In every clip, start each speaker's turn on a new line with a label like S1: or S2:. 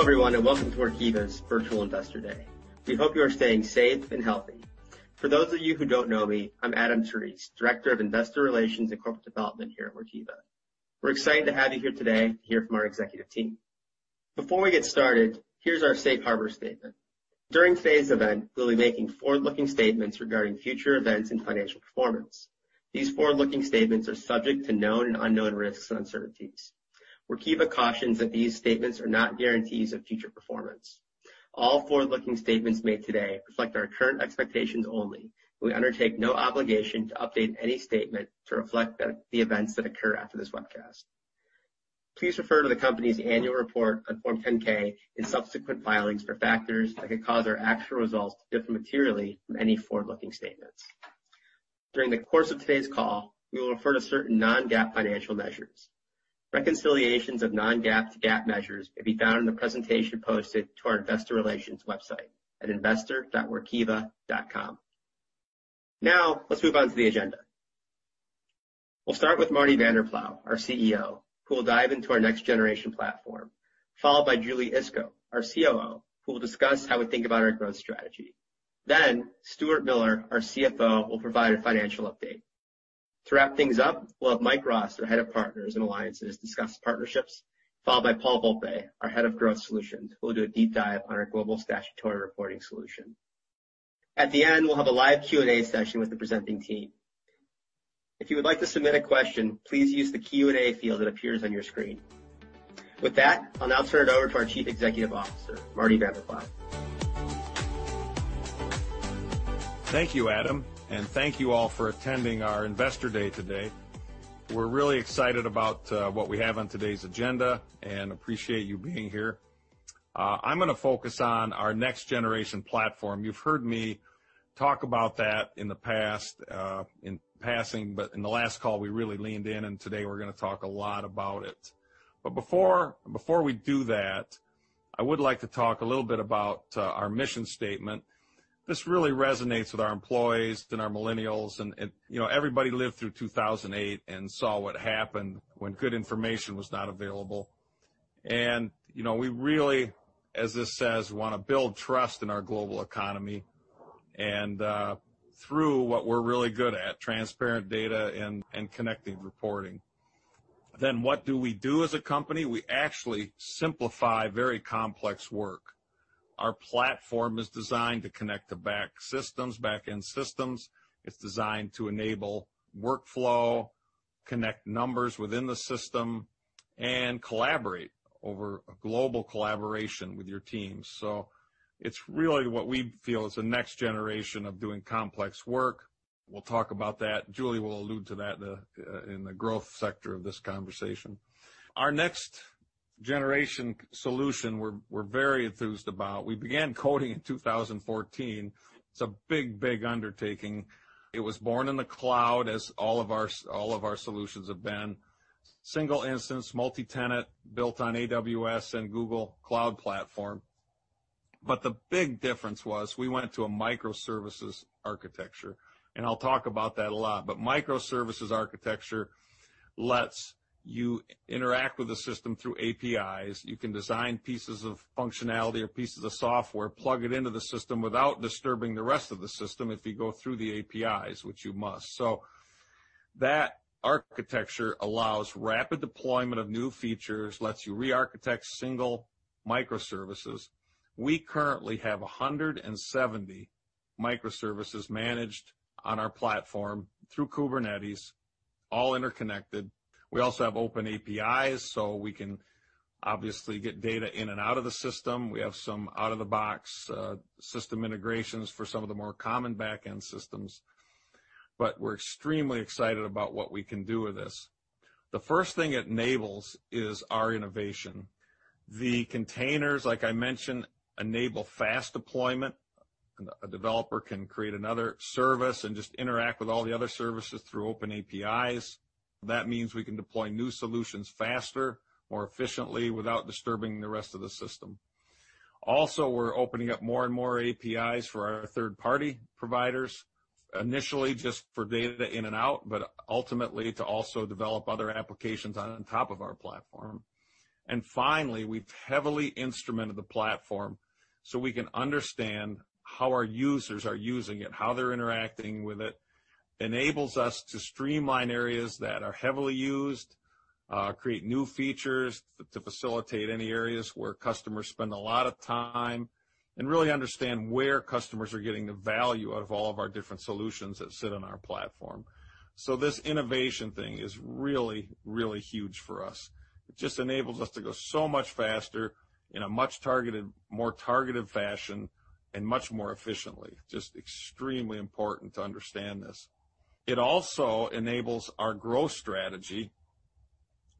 S1: Hello everyone, and welcome to Workiva's Virtual Investor Day. We hope you are staying safe and healthy. For those of you who don't know me, I'm Adam Terese, Director of Investor Relations and Corporate Development here at Workiva. We're excited to have you here today to hear from our executive team. Before we get started, here's our safe harbor statement. During today's event, we'll be making forward-looking statements regarding future events and financial performance. These forward-looking statements are subject to known and unknown risks and uncertainties. Workiva cautions that these statements are not guarantees of future performance. All forward-looking statements made today reflect our current expectations only. We undertake no obligation to update any statement to reflect the events that occur after this webcast. Please refer to the company's annual report on Form 10-K and subsequent filings for factors that could cause our actual results to differ materially from any forward-looking statements. During the course of today's call, we will refer to certain non-GAAP financial measures. Reconciliations of non-GAAP to GAAP measures may be found in the presentation posted to our investor relations website at investor.workiva.com. Let's move on to the agenda. We'll start with Marty Vanderploeg, our CEO, who will dive into our next generation platform, followed by Julie Iskow, our COO, who will discuss how we think about our growth strategy. Stuart Miller, our CFO, will provide a financial update. To wrap things up, we'll have Mike Rost, our Head of Partners and Alliances, discuss partnerships, followed by Paul Volpe, our Head of Growth Solutions, who will do a deep dive on our Global Statutory Reporting solution. At the end, we'll have a live Q&A session with the presenting team. If you would like to submit a question, please use the Q&A field that appears on your screen. With that, I'll now turn it over to our Chief Executive Officer, Marty Vanderploeg.
S2: Thank you, Adam, and thank you all for attending our Investor Day today. We're really excited about what we have on today's agenda and appreciate you being here. I'm going to focus on our next generation platform. You've heard me talk about that in the past, in passing, but in the last call, we really leaned in, and today we're going to talk a lot about it. Before we do that, I would like to talk a little bit about our mission statement. This really resonates with our employees and our millennials. Everybody lived through 2008 and saw what happened when good information was not available. We really, as this says, want to build trust in our global economy and through what we're really good at, transparent data and connecting reporting. What do we do as a company? We actually simplify very complex work. Our platform is designed to connect to back-end systems. It's designed to enable workflow, connect numbers within the system, and collaborate over a global collaboration with your teams. It's really what we feel is the next generation of doing complex work. We'll talk about that. Julie will allude to that in the growth sector of this conversation. Our next generation solution we're very enthused about. We began coding in 2014. It's a big undertaking. It was born in the cloud, as all of our solutions have been. Single instance, multi-tenant, built on AWS and Google Cloud Platform. The big difference was we went to a microservices architecture, and I'll talk about that a lot. Microservices architecture lets you interact with the system through APIs. You can design pieces of functionality or pieces of software, plug it into the system without disturbing the rest of the system if you go through the APIs, which you must. That architecture allows rapid deployment of new features, lets you re-architect single microservices. We currently have 170 microservices managed on our platform through Kubernetes, all interconnected. We also have open APIs, so we can obviously get data in and out of the system. We have some out-of-the-box system integrations for some of the more common back-end systems. We're extremely excited about what we can do with this. The first thing it enables is our innovation. The containers, like I mentioned, enable fast deployment. A developer can create another service and just interact with all the other services through open APIs. That means we can deploy new solutions faster, more efficiently, without disturbing the rest of the system. We're opening up more and more APIs for our third-party providers. Initially, just for data in and out, but ultimately to also develop other applications on top of our platform. Finally, we've heavily instrumented the platform so we can understand how our users are using it, how they're interacting with it. Enables us to streamline areas that are heavily used, create new features to facilitate any areas where customers spend a lot of time, and really understand where customers are getting the value out of all of our different solutions that sit on our platform. This innovation thing is really huge for us. It just enables us to go so much faster in a more targeted fashion, and much more efficiently. Just extremely important to understand this. It also enables our growth strategy.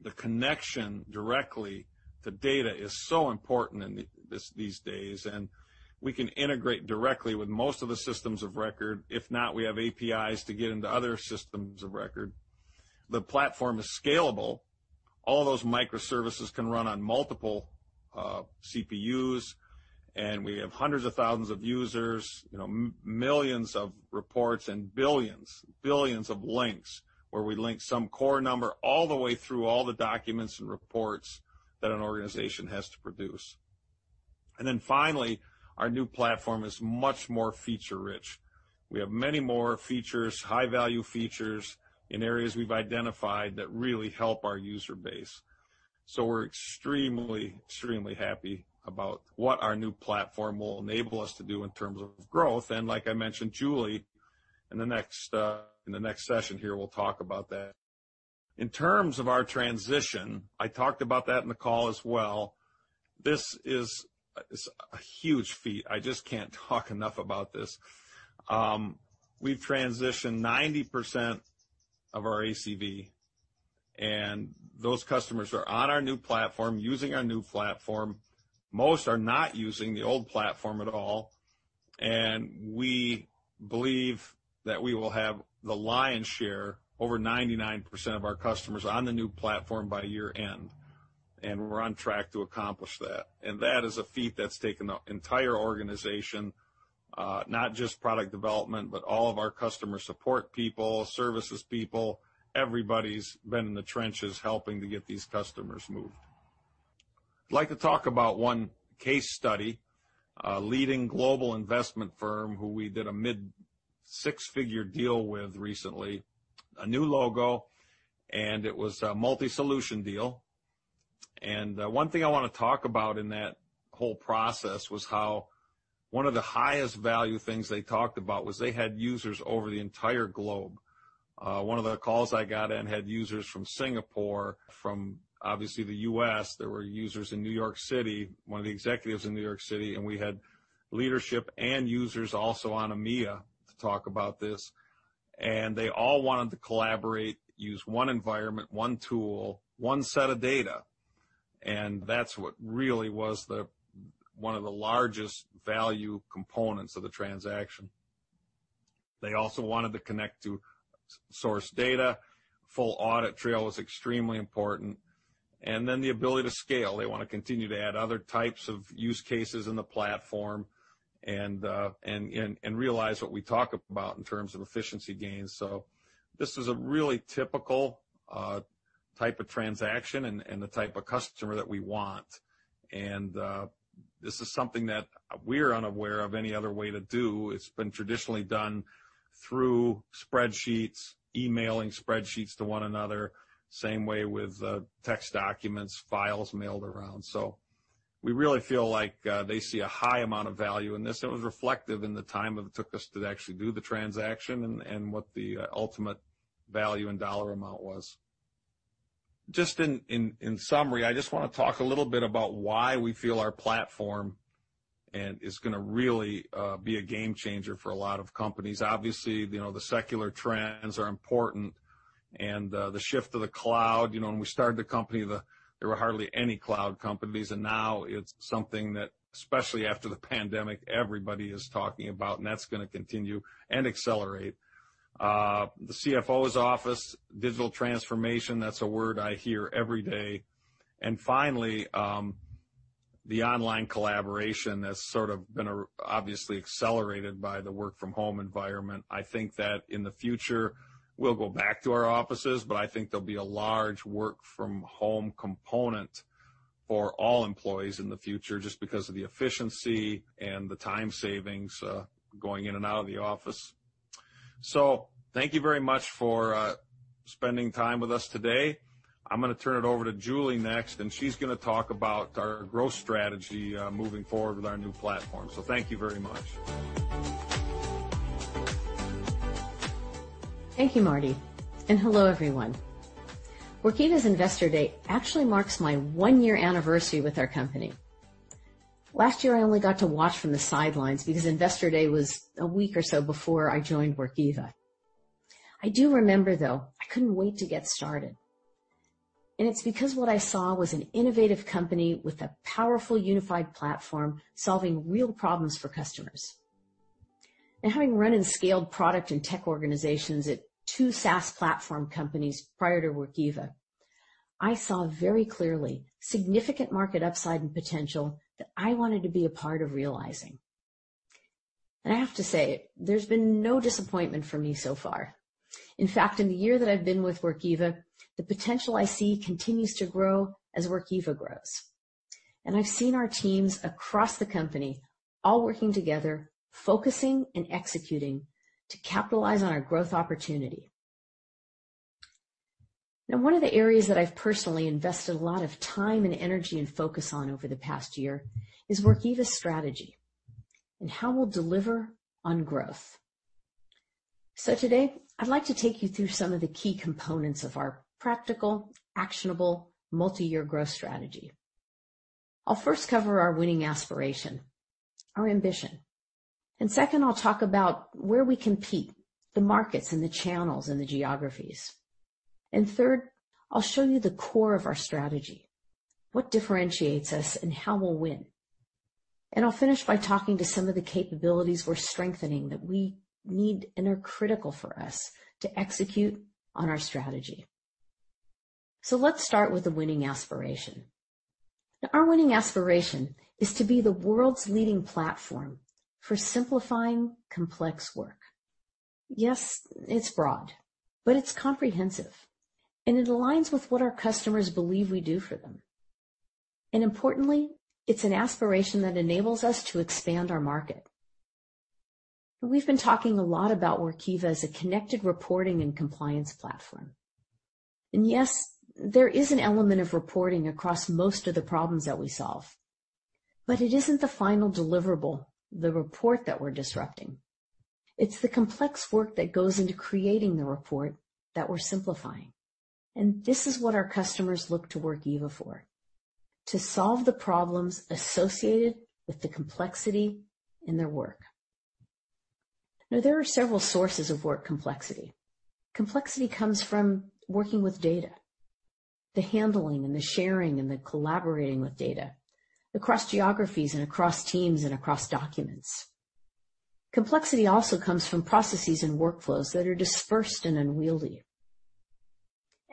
S2: The connection directly to data is so important these days, and we can integrate directly with most of the systems of record. If not, we have APIs to get into other systems of record. The platform is scalable. All those microservices can run on multiple CPUs. We have hundreds of thousands of users, millions of reports, and billions of links, where we link some core number all the way through all the documents and reports that an organization has to produce. Then finally, our new platform is much more feature-rich. We have many more features, high-value features in areas we've identified that really help our user base. We're extremely happy about what our new platform will enable us to do in terms of growth. Like I mentioned, Julie, in the next session here, will talk about that. In terms of our transition, I talked about that in the call as well. This is a huge feat. I just can't talk enough about this. We've transitioned 90% of our ACV, and those customers are on our new platform, using our new platform. Most are not using the old platform at all. We believe that we will have the lion's share, over 99% of our customers, on the new platform by year-end, and we're on track to accomplish that. That is a feat that's taken the entire organization, not just product development, but all of our customer support people, services people, everybody's been in the trenches helping to get these customers moved. I'd like to talk about one case study, a leading global investment firm who we did a mid-six-figure deal with recently, a new logo, and it was a multi-solution deal. One thing I want to talk about in that whole process was how one of the highest value things they talked about was they had users over the entire globe. One of the calls I got in had users from Singapore, from obviously the U.S. There were users in New York City, one of the executives in New York City, and we had leadership and users also on EMEA to talk about this, and they all wanted to collaborate, use one environment, one tool, one set of data. That's what really was one of the largest value components of the transaction. They also wanted to connect to source data. Full audit trail was extremely important. The ability to scale. They want to continue to add other types of use cases in the platform and realize what we talk about in terms of efficiency gains. This is a really typical type of transaction and the type of customer that we want. This is something that we're unaware of any other way to do. It's been traditionally done through spreadsheets, emailing spreadsheets to one another, same way with text documents, files mailed around. We really feel like they see a high amount of value in this. It was reflective in the time that it took us to actually do the transaction and what the ultimate value and dollar amount was. In summary, I just want to talk a little bit about why we feel our platform is going to really be a game changer for a lot of companies. The secular trends are important and the shift to the cloud. When we started the company, there were hardly any cloud companies, and now it's something that, especially after the pandemic, everybody is talking about, and that's going to continue and accelerate. The CFO's office, digital transformation, that's a word I hear every day. Finally, the online collaboration has sort of been obviously accelerated by the work-from-home environment. I think that in the future, we'll go back to our offices, but I think there'll be a large work-from-home component for all employees in the future just because of the efficiency and the time savings going in and out of the office. Thank you very much for spending time with us today. I'm going to turn it over to Julie next, and she's going to talk about our growth strategy moving forward with our new platform. Thank you very much.
S3: Thank you, Marty. Hello, everyone. Workiva's Investor Day actually marks my one-year anniversary with our company. Last year, I only got to watch from the sidelines because Investor Day was a week or so before I joined Workiva. I do remember, though, I couldn't wait to get started. It's because what I saw was an innovative company with a powerful, unified platform solving real problems for customers. Having run and scaled product and tech organizations at two SaaS platform companies prior to Workiva, I saw very clearly significant market upside and potential that I wanted to be a part of realizing. I have to say, there's been no disappointment for me so far. In fact, in the year that I've been with Workiva, the potential I see continues to grow as Workiva grows. I've seen our teams across the company all working together, focusing and executing to capitalize on our growth opportunity. One of the areas that I've personally invested a lot of time and energy and focus on over the past year is Workiva's strategy and how we'll deliver on growth. Today, I'd like to take you through some of the key components of our practical, actionable, multi-year growth strategy. I'll first cover our winning aspiration, our ambition. Second, I'll talk about where we compete, the markets and the channels and the geographies. Third, I'll show you the core of our strategy, what differentiates us, and how we'll win. I'll finish by talking to some of the capabilities we're strengthening that we need and are critical for us to execute on our strategy. Let's start with the winning aspiration. Our winning aspiration is to be the world's leading platform for simplifying complex work. Yes, it's broad, but it's comprehensive, it aligns with what our customers believe we do for them. Importantly, it's an aspiration that enables us to expand our market. We've been talking a lot about Workiva as a connected reporting and compliance platform. Yes, there is an element of reporting across most of the problems that we solve. It isn't the final deliverable, the report that we're disrupting. It's the complex work that goes into creating the report that we're simplifying. This is what our customers look to Workiva for. To solve the problems associated with the complexity in their work. Now, there are several sources of work complexity. Complexity comes from working with data, the handling and the sharing and the collaborating with data across geographies and across teams and across documents. Complexity also comes from processes and workflows that are dispersed and unwieldy.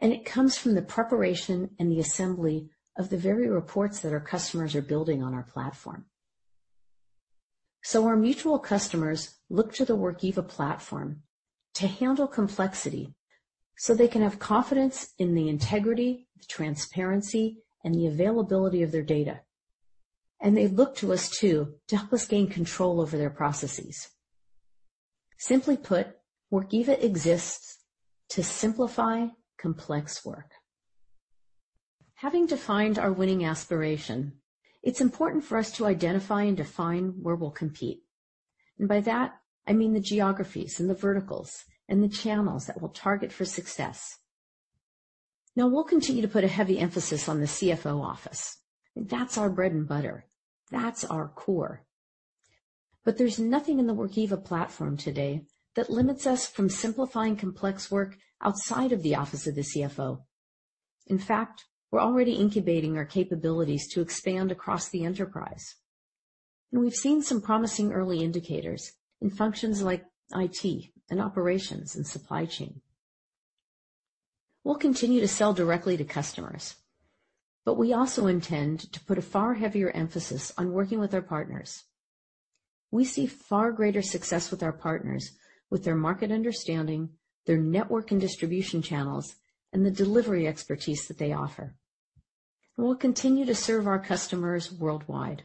S3: It comes from the preparation and the assembly of the very reports that our customers are building on our platform. Our mutual customers look to the Workiva platform to handle complexity so they can have confidence in the integrity, the transparency, and the availability of their data. They look to us, too, to help us gain control over their processes. Simply put, Workiva exists to simplify complex work. Having defined our winning aspiration, it's important for us to identify and define where we'll compete. By that, I mean the geographies and the verticals and the channels that we'll target for success. We'll continue to put a heavy emphasis on the CFO office. That's our bread and butter. That's our core. There's nothing in the Workiva platform today that limits us from simplifying complex work outside of the office of the CFO. In fact, we're already incubating our capabilities to expand across the enterprise. We've seen some promising early indicators in functions like IT and operations and supply chain. We'll continue to sell directly to customers, we also intend to put a far heavier emphasis on working with our partners. We see far greater success with our partners, with their market understanding, their network and distribution channels, and the delivery expertise that they offer. We'll continue to serve our customers worldwide.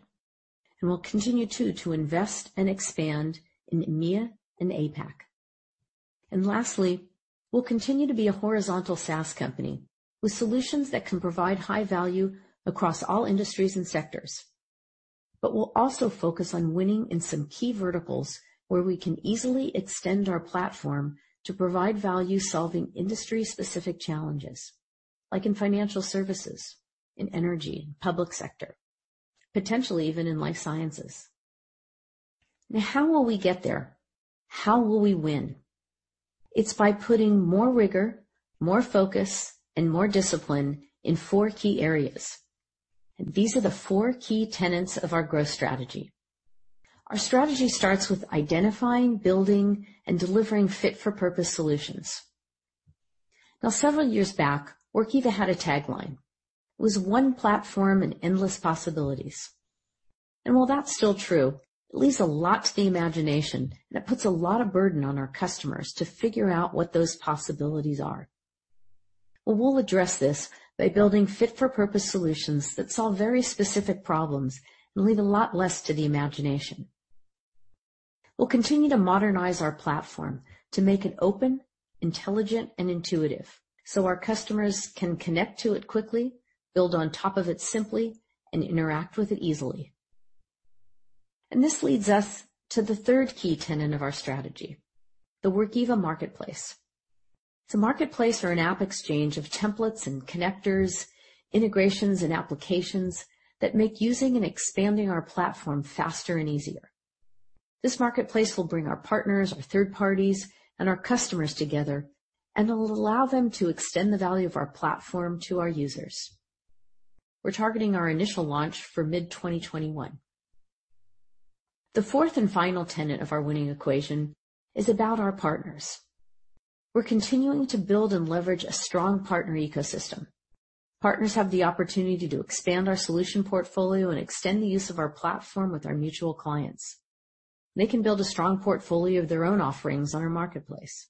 S3: We'll continue too, to invest and expand in EMEA and APAC. Lastly, we'll continue to be a horizontal SaaS company with solutions that can provide high value across all industries and sectors. We'll also focus on winning in some key verticals where we can easily extend our platform to provide value-solving industry-specific challenges, like in financial services, in energy, public sector, potentially even in life sciences. How will we get there? How will we win? It's by putting more rigor, more focus, and more discipline in four key areas. These are the four key tenets of our growth strategy. Our strategy starts with identifying, building, and delivering fit-for-purpose solutions. Several years back, Workiva had a tagline. It was one platform and endless possibilities. While that's still true, it leaves a lot to the imagination, and it puts a lot of burden on our customers to figure out what those possibilities are. We'll address this by building fit-for-purpose solutions that solve very specific problems and leave a lot less to the imagination. We'll continue to modernize our platform to make it open, intelligent, and intuitive so our customers can connect to it quickly, build on top of it simply, and interact with it easily. This leads us to the third key tenet of our strategy, the Workiva Marketplace. It's a marketplace or an app exchange of templates and connectors, integrations, and applications that make using and expanding our platform faster and easier. This marketplace will bring our partners, our third parties, and our customers together, and it'll allow them to extend the value of our platform to our users. We're targeting our initial launch for mid-2021. The fourth and final tenet of our winning equation is about our partners. We're continuing to build and leverage a strong partner ecosystem. Partners have the opportunity to expand our solution portfolio and extend the use of our platform with our mutual clients. They can build a strong portfolio of their own offerings on our marketplace.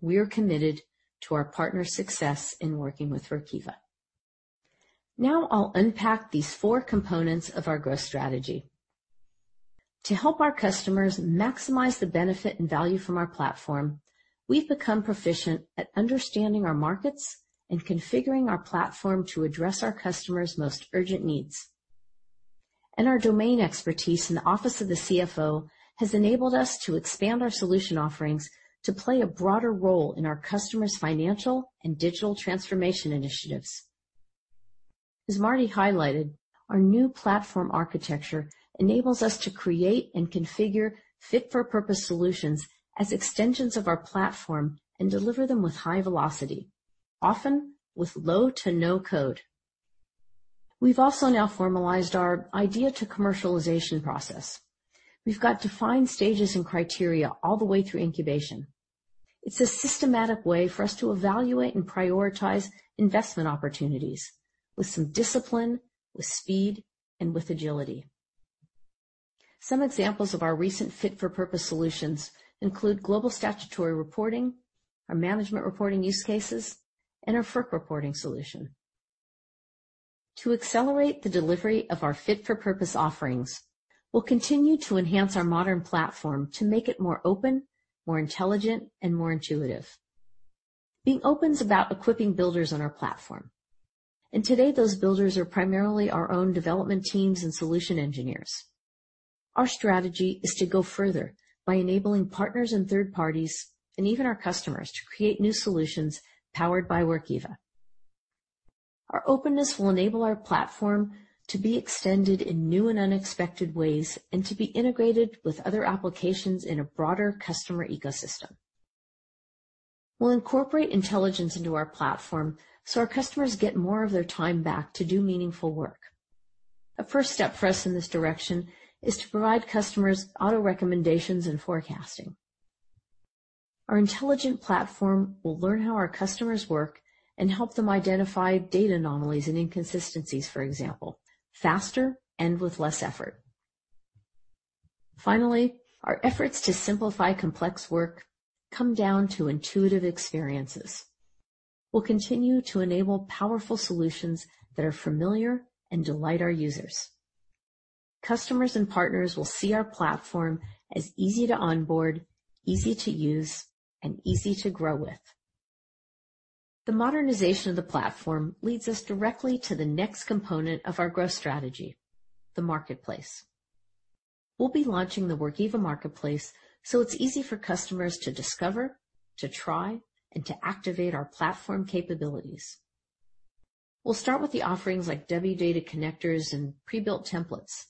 S3: We are committed to our partners' success in working with Workiva. I'll unpack these four components of our growth strategy. To help our customers maximize the benefit and value from our platform, we've become proficient at understanding our markets and configuring our platform to address our customers' most urgent needs. Our domain expertise in the office of the CFO has enabled us to expand our solution offerings to play a broader role in our customers' financial and digital transformation initiatives. As Marty highlighted, our new platform architecture enables us to create and configure fit-for-purpose solutions as extensions of our platform and deliver them with high velocity, often with low to no code. We've also now formalized our idea to commercialization process. We've got defined stages and criteria all the way through incubation. It's a systematic way for us to evaluate and prioritize investment opportunities with some discipline, with speed, and with agility. Some examples of our recent fit-for-purpose solutions include Global Statutory Reporting, our Management Reporting use cases, and our FERC reporting solution. To accelerate the delivery of our fit-for-purpose offerings, we'll continue to enhance our modern platform to make it more open, more intelligent, and more intuitive. Being open is about equipping builders on our platform. Today, those builders are primarily our own development teams and solution engineers. Our strategy is to go further by enabling partners and third parties, and even our customers, to create new solutions powered by Workiva. Our openness will enable our platform to be extended in new and unexpected ways and to be integrated with other applications in a broader customer ecosystem. We'll incorporate intelligence into our platform so our customers get more of their time back to do meaningful work. A first step for us in this direction is to provide customers auto recommendations and forecasting. Our intelligent platform will learn how our customers work and help them identify data anomalies and inconsistencies, for example, faster and with less effort. Finally, our efforts to simplify complex work come down to intuitive experiences. We'll continue to enable powerful solutions that are familiar and delight our users. Customers and partners will see our platform as easy to onboard, easy to use, and easy to grow with. The modernization of the platform leads us directly to the next component of our growth strategy, the marketplace. We'll be launching the Workiva Marketplace so it's easy for customers to discover, to try, and to activate our platform capabilities. We'll start with the offerings like Wdata connectors and pre-built templates,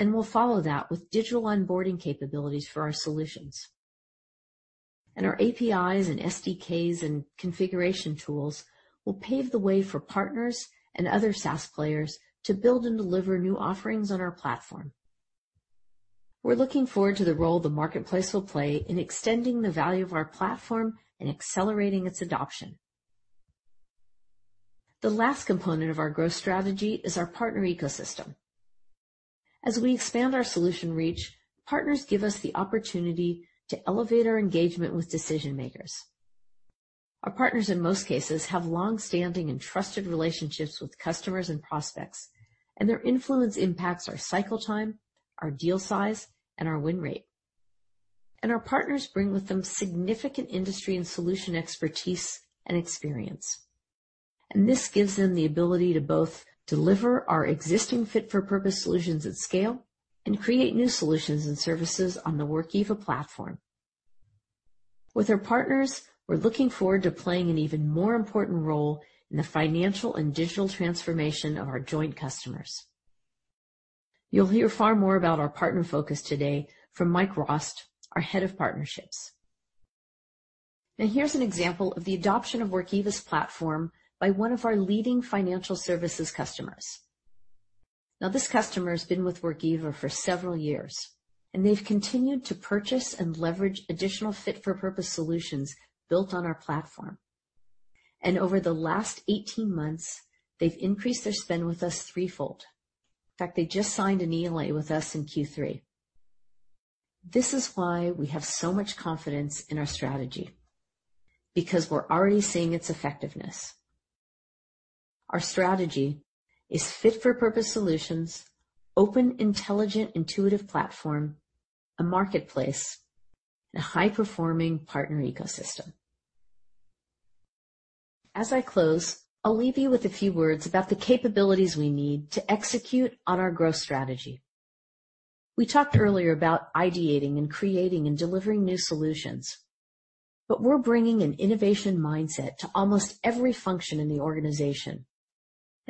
S3: and we'll follow that with digital onboarding capabilities for our solutions. Our APIs and SDKs and configuration tools will pave the way for partners and other SaaS players to build and deliver new offerings on our platform. We're looking forward to the role the marketplace will play in extending the value of our platform and accelerating its adoption. The last component of our growth strategy is our partner ecosystem. As we expand our solution reach, partners give us the opportunity to elevate our engagement with decision-makers. Our partners, in most cases, have long-standing and trusted relationships with customers and prospects, and their influence impacts our cycle time, our deal size, and our win rate. Our partners bring with them significant industry and solution expertise and experience. This gives them the ability to both deliver our existing fit-for-purpose solutions at scale and create new solutions and services on the Workiva platform. With our partners, we're looking forward to playing an even more important role in the financial and digital transformation of our joint customers. You'll hear far more about our partner focus today from Mike Rost, our head of partnerships. Now, here's an example of the adoption of Workiva's platform by one of our leading financial services customers. This customer has been with Workiva for several years, they've continued to purchase and leverage additional fit-for-purpose solutions built on our platform. Over the last 18 months, they've increased their spend with us threefold. In fact, they just signed an ELA with us in Q3. This is why we have so much confidence in our strategy. We're already seeing its effectiveness. Our strategy is fit-for-purpose solutions, open, intelligent, intuitive platform, a marketplace, and a high-performing partner ecosystem. As I close, I'll leave you with a few words about the capabilities we need to execute on our growth strategy. We talked earlier about ideating and creating and delivering new solutions. We're bringing an innovation mindset to almost every function in the organization.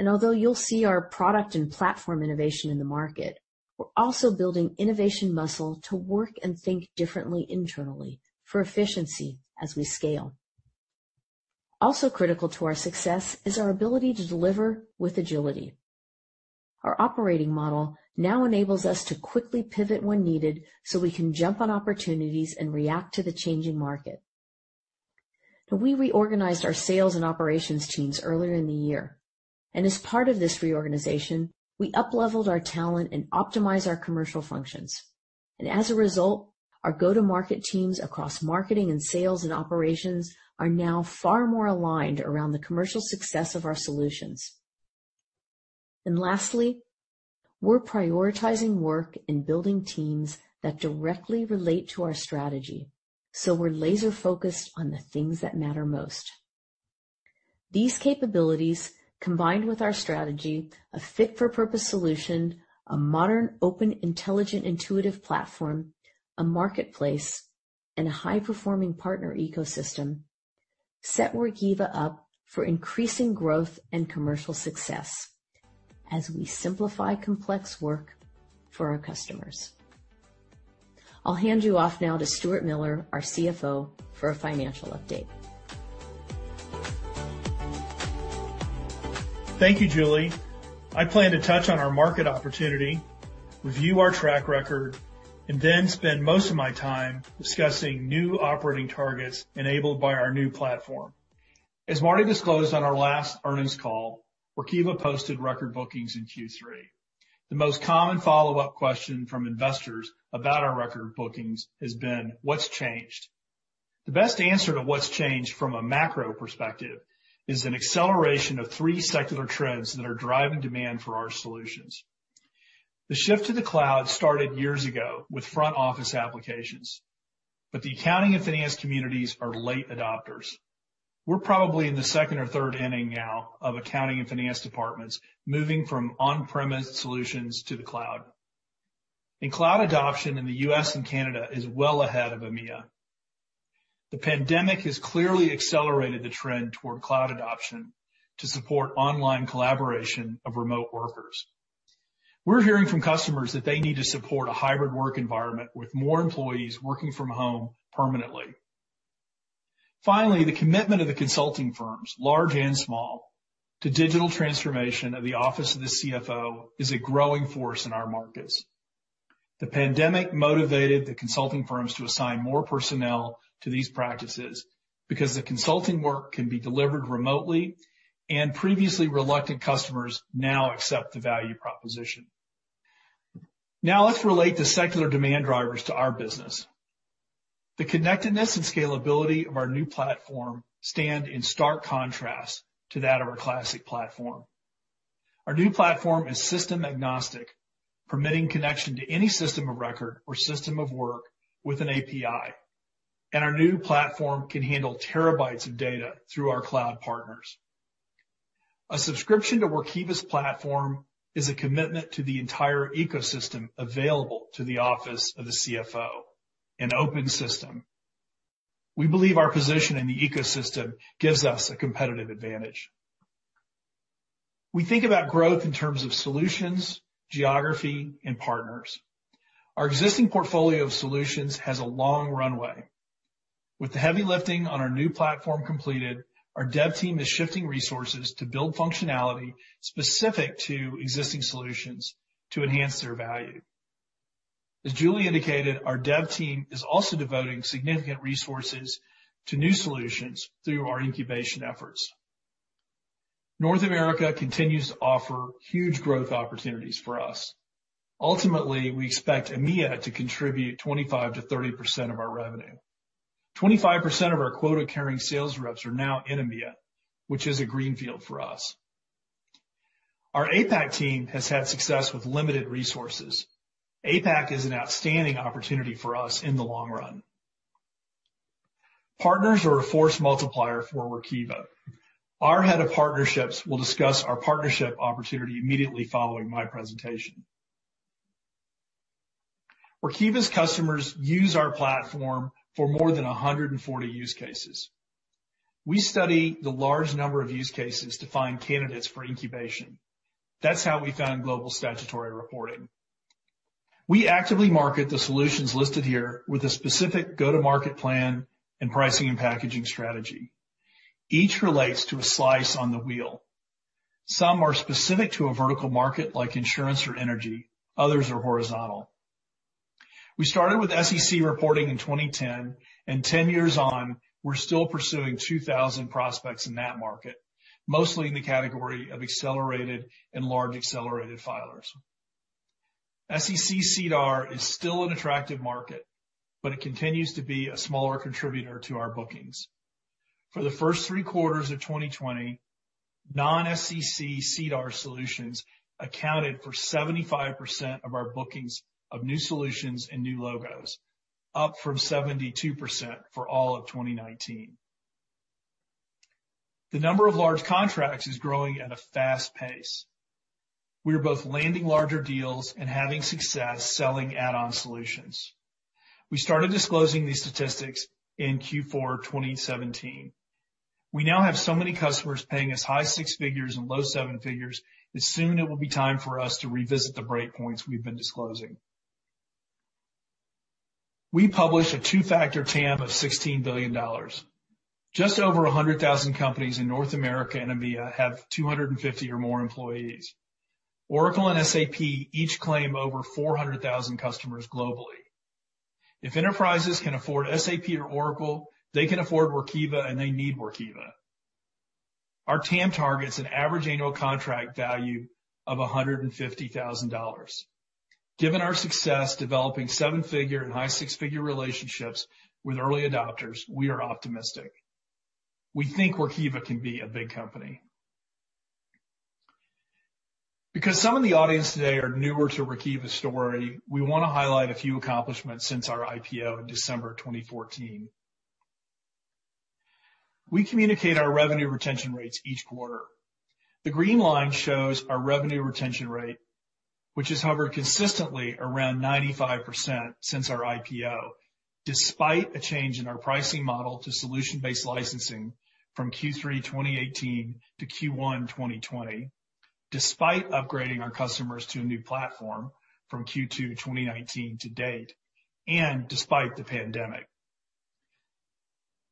S3: Although you'll see our product and platform innovation in the market, we're also building innovation muscle to work and think differently internally for efficiency as we scale. Also critical to our success is our ability to deliver with agility. Our operating model now enables us to quickly pivot when needed so we can jump on opportunities and react to the changing market. Now, we reorganized our sales and operations teams earlier in the year. As part of this reorganization, we upleveled our talent and optimized our commercial functions. As a result, our go-to-market teams across marketing and sales and operations are now far more aligned around the commercial success of our solutions. Lastly, we're prioritizing work and building teams that directly relate to our strategy, so we're laser-focused on the things that matter most. These capabilities, combined with our strategy of fit-for-purpose solution, a modern, open, intelligent, intuitive platform, a marketplace, and a high-performing partner ecosystem, set Workiva up for increasing growth and commercial success as we simplify complex work for our customers. I'll hand you off now to Stuart Miller, our CFO, for a financial update.
S4: Thank you, Julie. I plan to touch on our market opportunity, review our track record, and then spend most of my time discussing new operating targets enabled by our new platform. As Marty disclosed on our last earnings call, Workiva posted record bookings in Q3. The most common follow-up question from investors about our record bookings has been, what's changed? The best answer to what's changed from a macro perspective is an acceleration of three secular trends that are driving demand for our solutions. The shift to the cloud started years ago with front-office applications, but the accounting and finance communities are late adopters. We're probably in the second or third inning now of accounting and finance departments moving from on-premise solutions to the cloud. Cloud adoption in the U.S. and Canada is well ahead of EMEA. The pandemic has clearly accelerated the trend toward cloud adoption to support online collaboration of remote workers. We're hearing from customers that they need to support a hybrid work environment with more employees working from home permanently. The commitment of the consulting firms, large and small, to digital transformation of the office of the CFO is a growing force in our markets. The pandemic motivated the consulting firms to assign more personnel to these practices because the consulting work can be delivered remotely, and previously reluctant customers now accept the value proposition. Let's relate the secular demand drivers to our business. The connectedness and scalability of our new platform stand in stark contrast to that of our classic platform. Our new platform is system-agnostic, permitting connection to any system of record or system of work with an API. Our new platform can handle terabytes of data through our cloud partners. A subscription to Workiva's platform is a commitment to the entire ecosystem available to the office of the CFO, an open system. We believe our position in the ecosystem gives us a competitive advantage. We think about growth in terms of solutions, geography, and partners. Our existing portfolio of solutions has a long runway. With the heavy lifting on our new platform completed, our dev team is shifting resources to build functionality specific to existing solutions to enhance their value. As Julie Iskow indicated, our dev team is also devoting significant resources to new solutions through our incubation efforts. North America continues to offer huge growth opportunities for us. Ultimately, we expect EMEA to contribute 25%-30% of our revenue. 25% of our quota-carrying sales reps are now in EMEA, which is a greenfield for us. Our APAC team has had success with limited resources. APAC is an outstanding opportunity for us in the long run. Partners are a force multiplier for Workiva. Our head of partnerships will discuss our partnership opportunity immediately following my presentation. Workiva's customers use our platform for more than 140 use cases. We study the large number of use cases to find candidates for incubation. That's how we found Global Statutory Reporting. We actively market the solutions listed here with a specific go-to-market plan and pricing and packaging strategy. Each relates to a slice on the wheel. Some are specific to a vertical market like insurance or energy, others are horizontal. We started with SEC reporting in 2010, and 10 years on, we're still pursuing 2,000 prospects in that market, mostly in the category of accelerated and large accelerated filers. SEC SEDAR is still an attractive market, but it continues to be a smaller contributor to our bookings. For the first three quarters of 2020, non-SEC SEDAR solutions accounted for 75% of our bookings of new solutions and new logos, up from 72% for all of 2019. The number of large contracts is growing at a fast pace. We are both landing larger deals and having success selling add-on solutions. We started disclosing these statistics in Q4 2017. We now have so many customers paying as high six figures and low seven figures that soon it will be time for us to revisit the breakpoints we've been disclosing. We published a two-factor TAM of $16 billion. Just over 100,000 companies in North America and EMEA have 250 or more employees. Oracle and SAP each claim over 400,000 customers globally. If enterprises can afford SAP or Oracle, they can afford Workiva, and they need Workiva. Our TAM targets an average annual contract value of $150,000. Given our success developing seven-figure and high six-figure relationships with early adopters, we are optimistic. We think Workiva can be a big company. Because some in the audience today are newer to Workiva's story, we want to highlight a few accomplishments since our IPO in December 2014. We communicate our revenue retention rates each quarter. The green line shows our revenue retention rate, which has hovered consistently around 95% since our IPO. Despite a change in our pricing model to solution-based licensing from Q3 2018 to Q1 2020, despite upgrading our customers to a new platform from Q2 2019 to date, and despite the pandemic.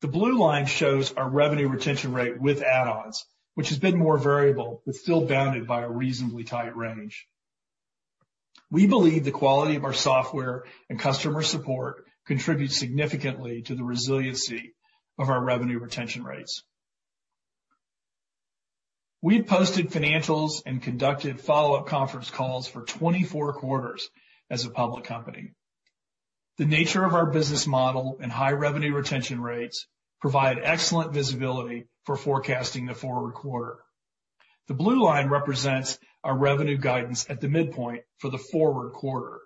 S4: The blue line shows our revenue retention rate with add-ons, which has been more variable but still bounded by a reasonably tight range. We believe the quality of our software and customer support contributes significantly to the resiliency of our revenue retention rates. We've posted financials and conducted follow-up conference calls for 24 quarters as a public company. The nature of our business model and high revenue retention rates provide excellent visibility for forecasting the forward quarter. The blue line represents our revenue guidance at the midpoint for the forward quarter.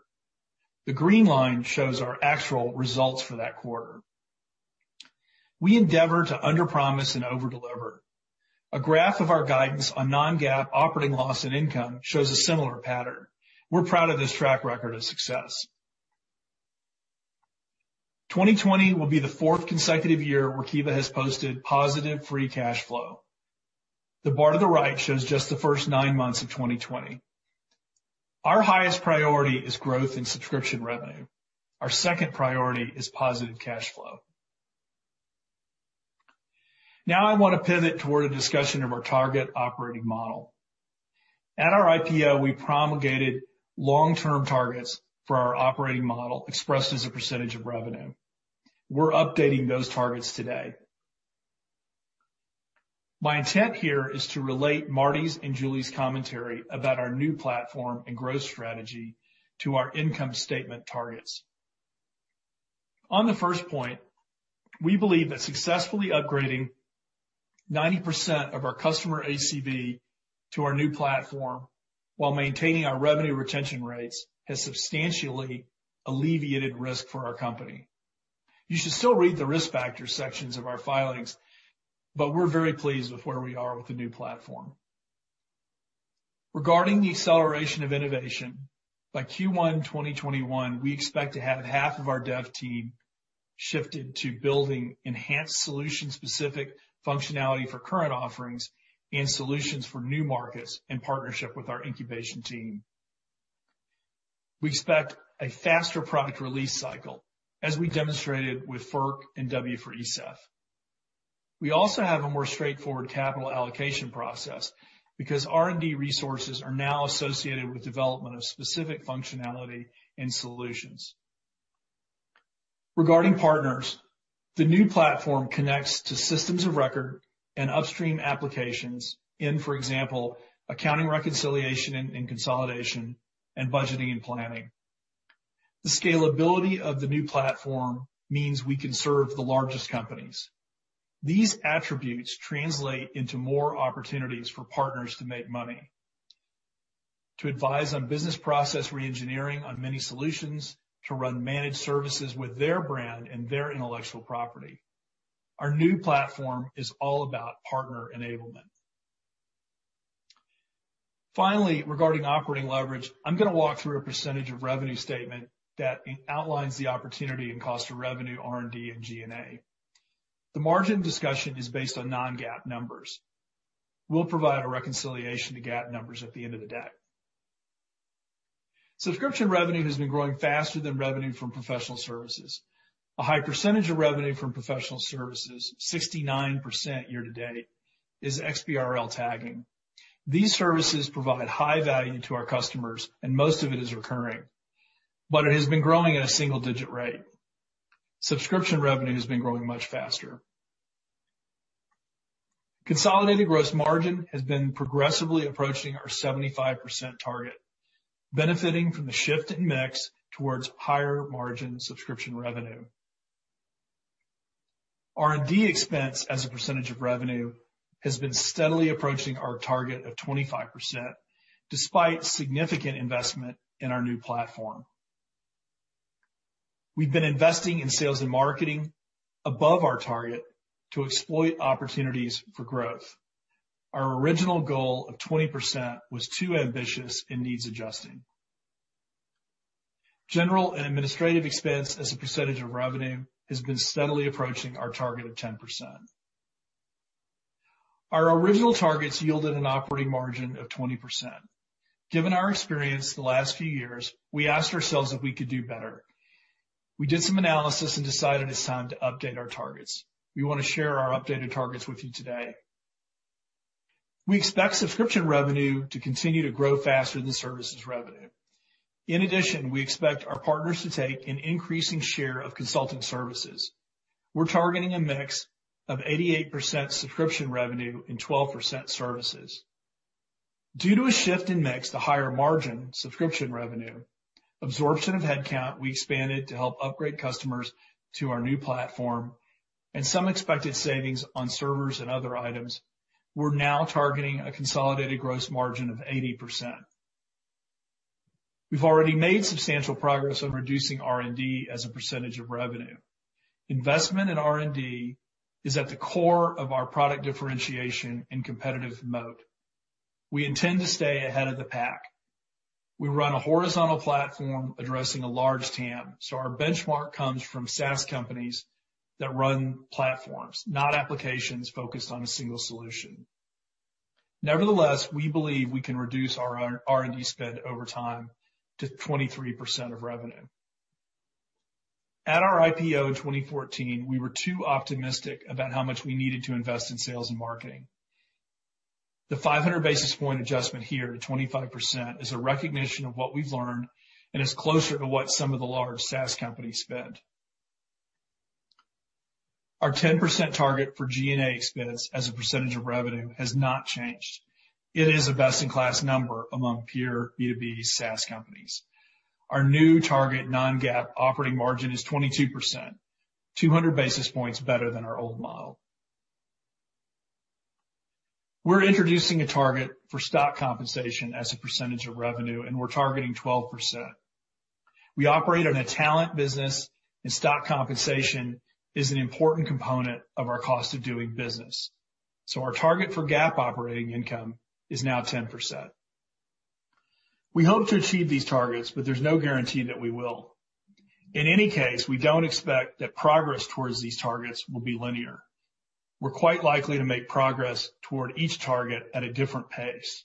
S4: The green line shows our actual results for that quarter. We endeavor to underpromise and overdeliver. A graph of our guidance on non-GAAP operating loss and income shows a similar pattern. We're proud of this track record of success. 2020 will be the fourth consecutive year Workiva has posted positive free cash flow. The board had arrived shows just the first nine months of 2020. Our highest priority is growth and subscription revenue. Our second priority is positive cashflow. I want to pivot toward a discussion of our target operating model. At our IPO, we promulgated long-term targets for our operating model expressed as a percentage of revenue. We're updating those targets today. My intent here is to relate Marty's and Julie's commentary about our new platform and growth strategy to our income statement targets. On the first point, we believe that successfully upgrading 90% of our customer ACV to our new platform while maintaining our revenue retention rates has substantially alleviated risk for our company. You should still read the risk factor sections of our filings, we're very pleased with where we are with the new platform. Regarding the acceleration of innovation, by Q1 2021, we expect to have half of our dev team shifted to building enhanced solution-specific functionality for current offerings and solutions for new markets in partnership with our incubation team. We expect a faster product release cycle, as we demonstrated with FERC and W for ESEF. We also have a more straightforward capital allocation process because R&D resources are now associated with development of specific functionality and solutions. Regarding partners, the new platform connects to systems of record and upstream applications in, for example, accounting reconciliation and consolidation and budgeting and planning. The scalability of the new platform means we can serve the largest companies. These attributes translate into more opportunities for partners to make money, to advise on business process reengineering on many solutions, to run managed services with their brand and their intellectual property. Our new platform is all about partner enablement. Finally, regarding operating leverage, I'm going to walk through a percentage of revenue statement that outlines the opportunity and cost of revenue, R&D, and G&A. The margin discussion is based on non-GAAP numbers. We'll provide a reconciliation to GAAP numbers at the end of the day. Subscription revenue has been growing faster than revenue from professional services. A high percentage of revenue from professional services, 69% year to date, is XBRL tagging. These services provide high value to our customers, and most of it is recurring. It has been growing at a single-digit rate. Subscription revenue has been growing much faster. Consolidated gross margin has been progressively approaching our 75% target, benefiting from the shift in mix towards higher margin subscription revenue. R&D expense as a percentage of revenue has been steadily approaching our target of 25%, despite significant investment in our new platform. We've been investing in sales and marketing above our target to exploit opportunities for growth. Our original goal of 20% was too ambitious and needs adjusting. General and administrative expense as a percentage of revenue has been steadily approaching our target of 10%. Our original targets yielded an operating margin of 20%. Given our experience the last few years, we asked ourselves if we could do better. We did some analysis and decided it's time to update our targets. We want to share our updated targets with you today. We expect subscription revenue to continue to grow faster than services revenue. We expect our partners to take an increasing share of consulting services. We're targeting a mix of 88% subscription revenue and 12% services. Due to a shift in mix to higher margin subscription revenue, absorption of headcount we expanded to help upgrade customers to our new platform, and some expected savings on servers and other items, we're now targeting a consolidated gross margin of 80%. We've already made substantial progress on reducing R&D as a percentage of revenue. Investment in R&D is at the core of our product differentiation and competitive moat. We intend to stay ahead of the pack. We run a horizontal platform addressing a large TAM, so our benchmark comes from SaaS companies that run platforms, not applications focused on a single solution. Nevertheless, we believe we can reduce our R&D spend over time to 23% of revenue. At our IPO in 2014, we were too optimistic about how much we needed to invest in sales and marketing. The 500 basis point adjustment here to 25% is a recognition of what we've learned and is closer to what some of the large SaaS companies spend. Our 10% target for G&A expense as a percentage of revenue has not changed. It is a best-in-class number among peer B2B SaaS companies. Our new target non-GAAP operating margin is 22%, 200 basis points better than our old model. We're introducing a target for stock compensation as a percentage of revenue, and we're targeting 12%. We operate on a talent business, and stock compensation is an important component of our cost of doing business. Our target for GAAP operating income is now 10%. We hope to achieve these targets, but there's no guarantee that we will. In any case, we don't expect that progress towards these targets will be linear. We're quite likely to make progress toward each target at a different pace.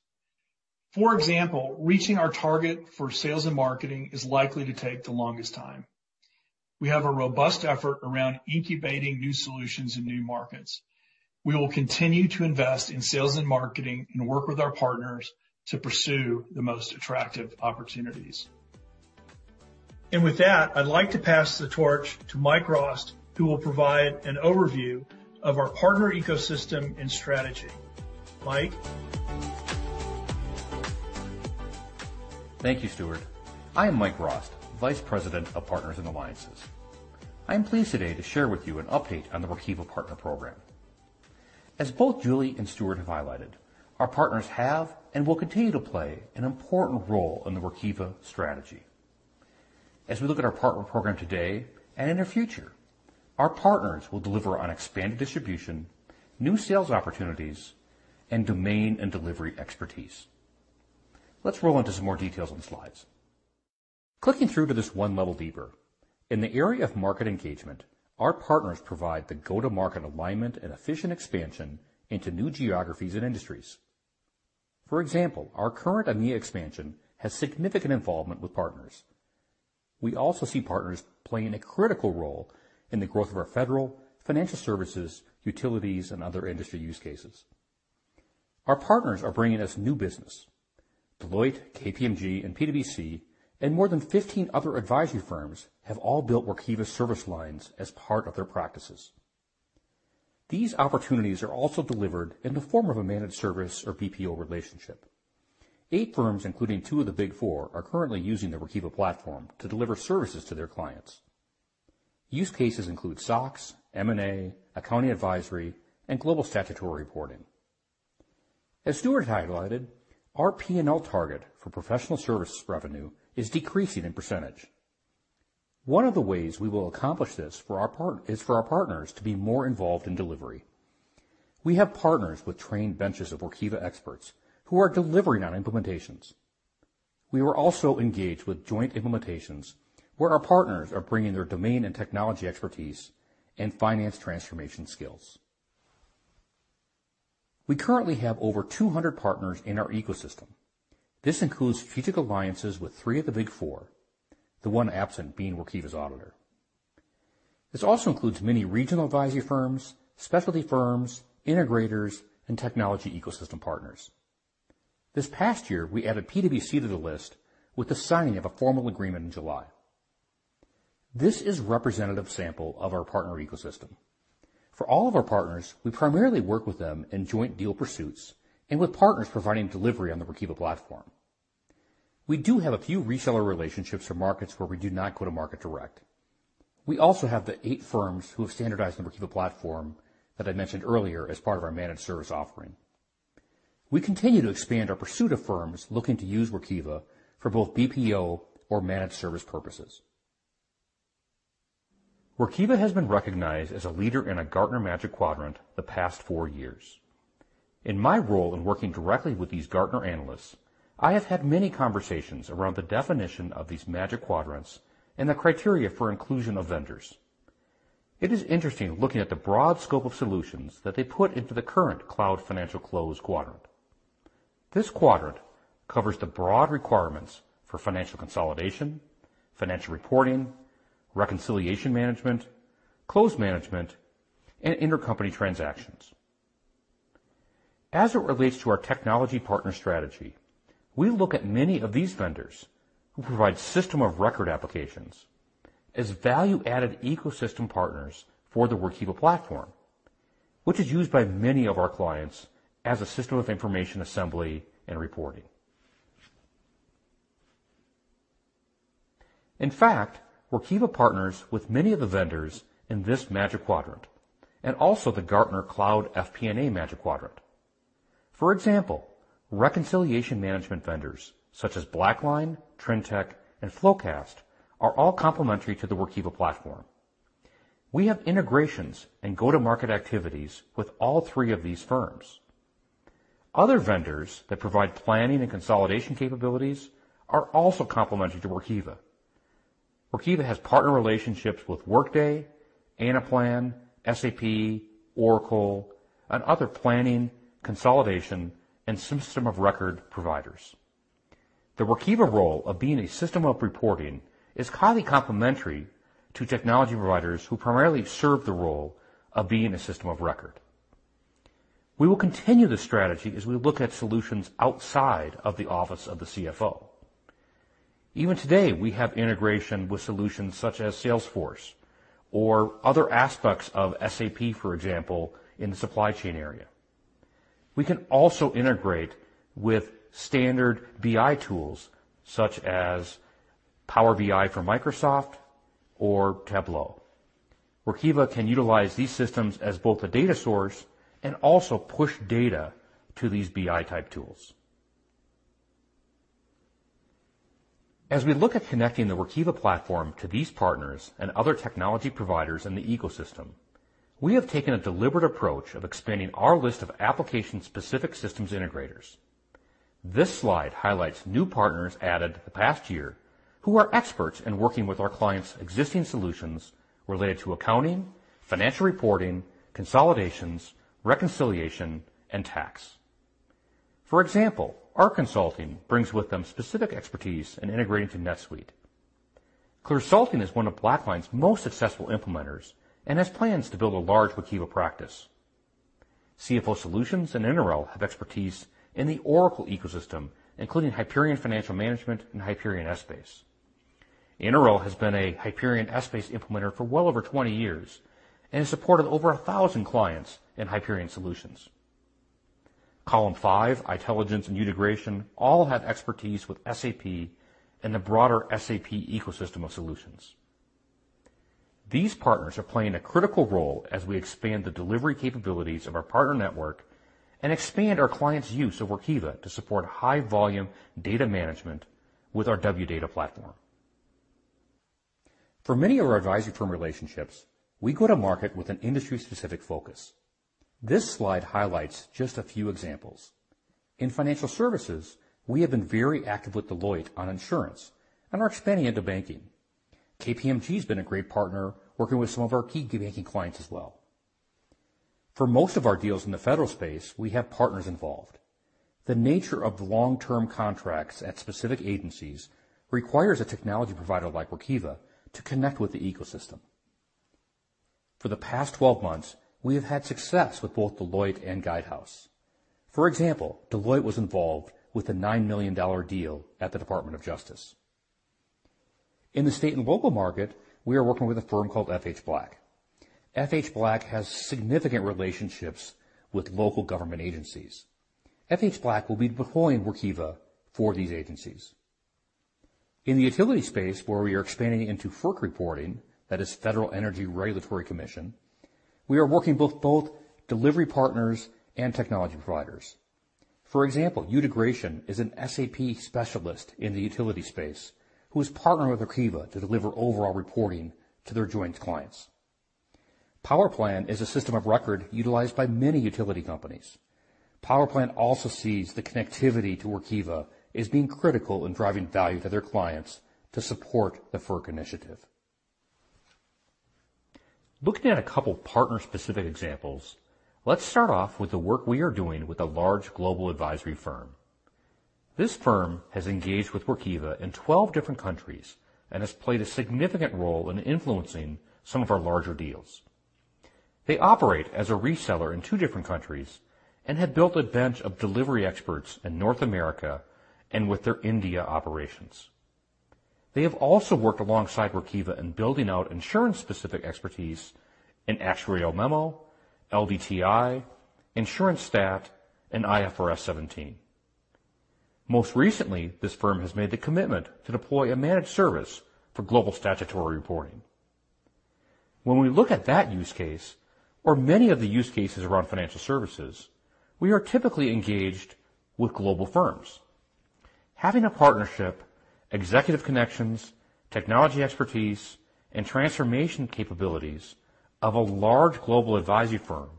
S4: For example, reaching our target for sales and marketing is likely to take the longest time. We have a robust effort around incubating new solutions and new markets. We will continue to invest in sales and marketing and work with our partners to pursue the most attractive opportunities. With that, I'd like to pass the torch to Mike Rost, who will provide an overview of our partner ecosystem and strategy. Mike?
S5: Thank you, Stuart. I am Mike Rost, Vice President of Partners and Alliances. I am pleased today to share with you an update on the Workiva Partner Program. As both Julie and Stuart have highlighted, our partners have and will continue to play an important role in the Workiva strategy. As we look at our Partner Program today and in our future, our partners will deliver on expanded distribution, new sales opportunities, and domain and delivery expertise. Let's roll into some more details on the slides. Clicking through to this one level deeper. In the area of market engagement, our partners provide the go-to-market alignment and efficient expansion into new geographies and industries. For example, our current EMEA expansion has significant involvement with partners. We also see partners playing a critical role in the growth of our federal, financial services, utilities, and other industry use cases. Our partners are bringing us new business. Deloitte, KPMG, and PwC, and more than 15 other advisory firms have all built Workiva service lines as part of their practices. These opportunities are also delivered in the form of a managed service or BPO relationship. Eight firms, including two of the Big Four, are currently using the Workiva platform to deliver services to their clients. Use cases include SOX, M&A, accounting advisory, and Global Statutory Reporting. As Stuart highlighted, our P&L target for professional service revenue is decreasing in percentage. One of the ways we will accomplish this is for our partners to be more involved in delivery. We have partners with trained benches of Workiva experts who are delivering on implementations. We were also engaged with joint implementations where our partners are bringing their domain and technology expertise and finance transformation skills. We currently have over 200 partners in our ecosystem. This includes strategic alliances with three of the Big Four, the one absent being Workiva's auditor. This also includes many regional advisory firms, specialty firms, integrators, and technology ecosystem partners. This past year, we added PwC to the list with the signing of a formal agreement in July. This is a representative sample of our partner ecosystem. For all of our partners, we primarily work with them in joint deal pursuits and with partners providing delivery on the Workiva platform. We do have a few reseller relationships for markets where we do not go to market direct. We also have the eight firms who have standardized the Workiva platform that I mentioned earlier as part of our managed service offering. We continue to expand our pursuit of firms looking to use Workiva for both BPO or managed service purposes. Workiva has been recognized as a leader in a Gartner Magic Quadrant the past four years. In my role in working directly with these Gartner analysts, I have had many conversations around the definition of these Magic Quadrants and the criteria for inclusion of vendors. It is interesting looking at the broad scope of solutions that they put into the current cloud financial close quadrant. This quadrant covers the broad requirements for financial consolidation, financial reporting, reconciliation management, close management, and intercompany transactions. As it relates to our technology partner strategy, we look at many of these vendors who provide system of record applications as value-added ecosystem partners for the Workiva platform, which is used by many of our clients as a system of information assembly and reporting. In fact, Workiva partners with many of the vendors in this Magic Quadrant and also the Gartner Cloud FP&A Magic Quadrant. For example, reconciliation management vendors such as BlackLine, Trintech, and FloQast are all complementary to the Workiva platform. We have integrations and go-to-market activities with all three of these firms. Other vendors that provide planning and consolidation capabilities are also complementary to Workiva. Workiva has partner relationships with Workday, Anaplan, SAP, Oracle, and other planning, consolidation, and system of record providers. The Workiva role of being a system of reporting is highly complementary to technology providers who primarily serve the role of being a system of record. We will continue this strategy as we look at solutions outside of the office of the CFO. Even today, we have integration with solutions such as Salesforce or other aspects of SAP, for example, in the supply chain area. We can also integrate with standard BI tools such as Power BI from Microsoft or Tableau. Workiva can utilize these systems as both a data source and also push data to these BI-type tools. As we look at connecting the Workiva platform to these partners and other technology providers in the ecosystem, we have taken a deliberate approach of expanding our list of application-specific systems integrators. This slide highlights new partners added the past year who are experts in working with our clients' existing solutions related to accounting, financial reporting, consolidations, reconciliation, and tax. For example, ARC Consulting brings with them specific expertise in integrating to NetSuite. Clearsulting is one of BlackLine's most successful implementers and has plans to build a large Workiva practice. CFO Solutions and interRel have expertise in the Oracle ecosystem, including Hyperion Financial Management and Hyperion Essbase. interRel has been a Hyperion Essbase implementer for well over 20 years and has supported over 1,000 clients in Hyperion solutions. Column5, itelligence and Utegration all have expertise with SAP and the broader SAP ecosystem of solutions. These partners are playing a critical role as we expand the delivery capabilities of our partner network and expand our clients' use of Workiva to support high-volume data management with our Wdata platform. For many of our advisory firm relationships, we go to market with an industry-specific focus. This slide highlights just a few examples. In financial services, we have been very active with Deloitte on insurance and are expanding into banking. KPMG has been a great partner, working with some of our key banking clients as well. For most of our deals in the federal space, we have partners involved. The nature of long-term contracts at specific agencies requires a technology provider like Workiva to connect with the ecosystem. For the past 12 months, we have had success with both Deloitte and Guidehouse. For example, Deloitte was involved with a $9 million deal at the Department of Justice. In the state and local market, we are working with a firm called F.H. Black. F.H. Black has significant relationships with local government agencies. F.H. Black will be deploying Workiva for these agencies. In the utility space, where we are expanding into FERC reporting, that is Federal Energy Regulatory Commission, we are working with both delivery partners and technology providers. For example, Utegration is an SAP specialist in the utility space who is partnering with Workiva to deliver overall reporting to their joint clients. PowerPlan is a system of record utilized by many utility companies. PowerPlan also sees the connectivity to Workiva as being critical in driving value to their clients to support the FERC initiative. Looking at a couple partner-specific examples, let's start off with the work we are doing with a large global advisory firm. This firm has engaged with Workiva in 12 different countries and has played a significant role in influencing some of our larger deals. They operate as a reseller in two different countries and have built a bench of delivery experts in North America and with their India operations. They have also worked alongside Workiva in building out insurance-specific expertise in actuarial memo, LDTI, insurance stat, and IFRS 17. Most recently, this firm has made the commitment to deploy a managed service for Global Statutory Reporting. When we look at that use case or many of the use cases around financial services, we are typically engaged with global firms. Having a partnership, executive connections, technology expertise, and transformation capabilities of a large global advisory firm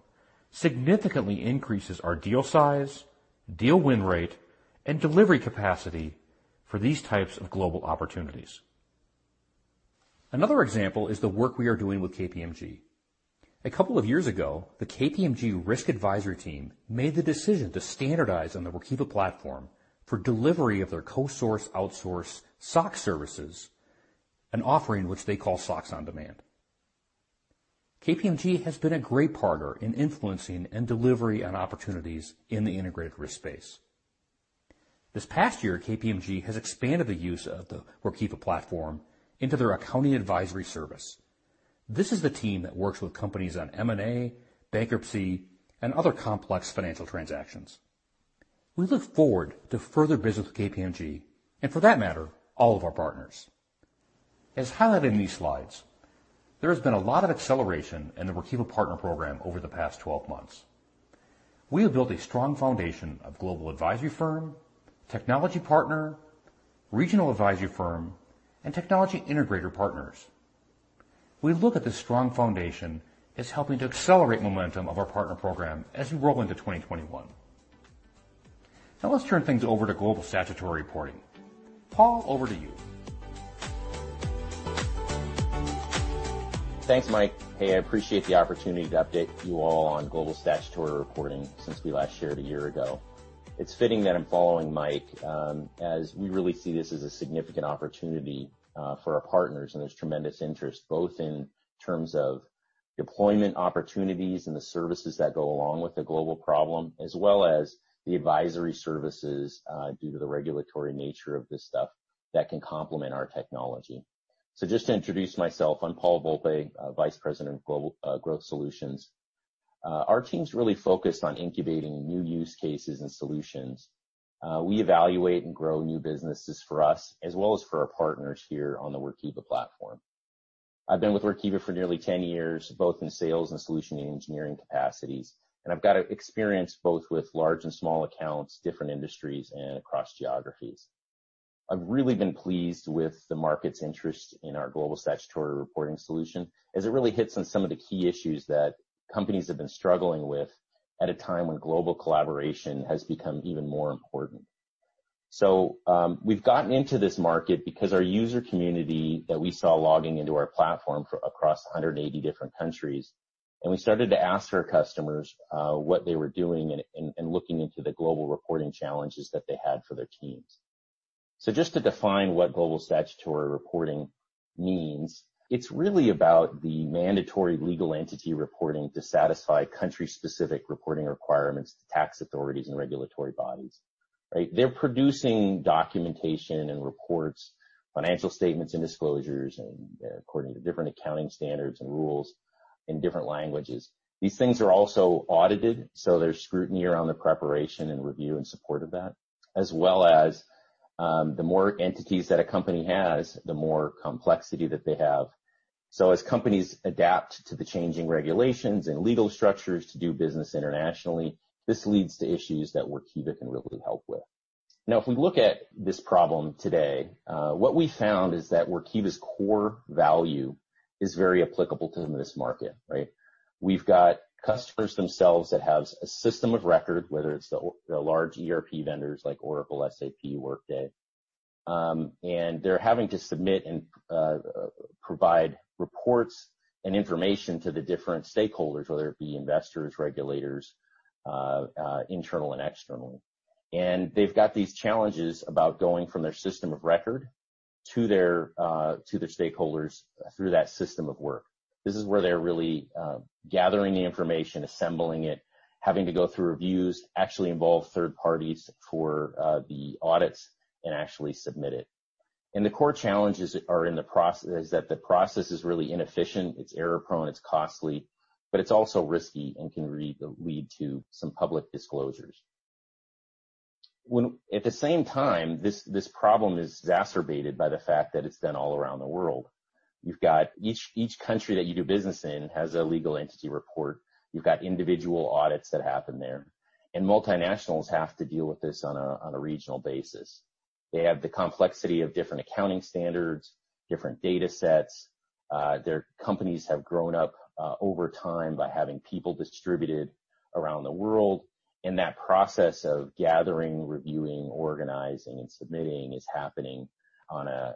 S5: significantly increases our deal size, deal win rate, and delivery capacity for these types of global opportunities. Another example is the work we are doing with KPMG. A couple of years ago, the KPMG risk advisory team made the decision to standardize on the Workiva platform for delivery of their co-source, outsource SOX services, an offering which they call SOX on Demand. KPMG has been a great partner in influencing and delivery on opportunities in the integrated risk space. This past year, KPMG has expanded the use of the Workiva platform into their accounting advisory service. This is the team that works with companies on M&A, bankruptcy, and other complex financial transactions. We look forward to further business with KPMG and, for that matter, all of our partners. As highlighted in these slides, there has been a lot of acceleration in the Workiva partner program over the past 12 months. We have built a strong foundation of global advisory firm, technology partner, regional advisory firm, and technology integrator partners. We look at this strong foundation as helping to accelerate momentum of our partner program as we roll into 2021. Let's turn things over to Global Statutory Reporting. Paul, over to you.
S6: Thanks, Mike. Hey, I appreciate the opportunity to update you all on Global Statutory Reporting since we last shared a year ago. It's fitting that I'm following Mike, as we really see this as a significant opportunity for our partners, and there's tremendous interest, both in terms of deployment opportunities and the services that go along with the global problem, as well as the advisory services, due to the regulatory nature of this stuff that can complement our technology. Just to introduce myself, I'm Paul Volpe, Vice President of Global Growth Solutions. Our team's really focused on incubating new use cases and solutions. We evaluate and grow new businesses for us as well as for our partners here on the Workiva platform. I've been with Workiva for nearly 10 years, both in sales and solution engineering capacities. I've got experience both with large and small accounts, different industries, and across geographies. I've really been pleased with the market's interest in our Global Statutory Reporting solution, as it really hits on some of the key issues that companies have been struggling with at a time when global collaboration has become even more important. We've gotten into this market because our user community that we saw logging into our platform across 180 different countries. We started to ask our customers what they were doing and looking into the global reporting challenges that they had for their teams. Just to define what Global Statutory Reporting means, it's really about the mandatory legal entity reporting to satisfy country-specific reporting requirements to tax authorities and regulatory bodies. Right? They're producing documentation and reports, financial statements, and disclosures, and they're according to different accounting standards and rules in different languages. These things are also audited, so there's scrutiny around the preparation and review and support of that, as well as, the more entities that a company has, the more complexity that they have. As companies adapt to the changing regulations and legal structures to do business internationally, this leads to issues that Workiva can really help with. Now, if we look at this problem today, what we found is that Workiva's core value is very applicable to this market, right? We've got customers themselves that have a system of record, whether it's the large ERP vendors like Oracle, SAP, Workday. They're having to submit and provide reports and information to the different stakeholders, whether it be investors, regulators, internal and external. They've got these challenges about going from their system of record to their stakeholders through that system of work. This is where they're really gathering the information, assembling it, having to go through reviews, actually involve third parties for the audits and actually submit it. The core challenges are in the process, is that the process is really inefficient, it's error-prone, it's costly, but it's also risky and can lead to some public disclosures. At the same time, this problem is exacerbated by the fact that it's done all around the world. You've got each country that you do business in has a legal entity report. You've got individual audits that happen there, and multinationals have to deal with this on a regional basis. They have the complexity of different accounting standards, different datasets. Their companies have grown up over time by having people distributed around the world, that process of gathering, reviewing, organizing, and submitting is happening on a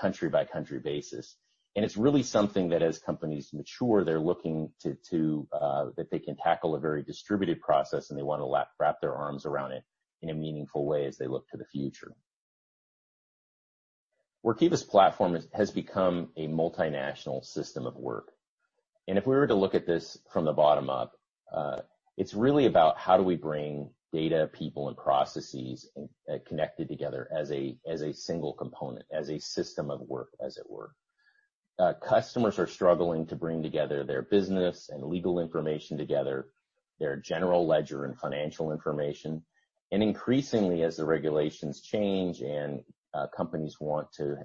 S6: country-by-country basis. It's really something that as companies mature, they're looking to that they can tackle a very distributed process, and they want to wrap their arms around it in a meaningful way as they look to the future. Workiva's platform has become a multinational system of work. If we were to look at this from the bottom up, it's really about how do we bring data, people, and processes connected together as a single component, as a system of work as it were. Customers are struggling to bring together their business and legal information, their general ledger and financial information. Increasingly, as the regulations change and companies want to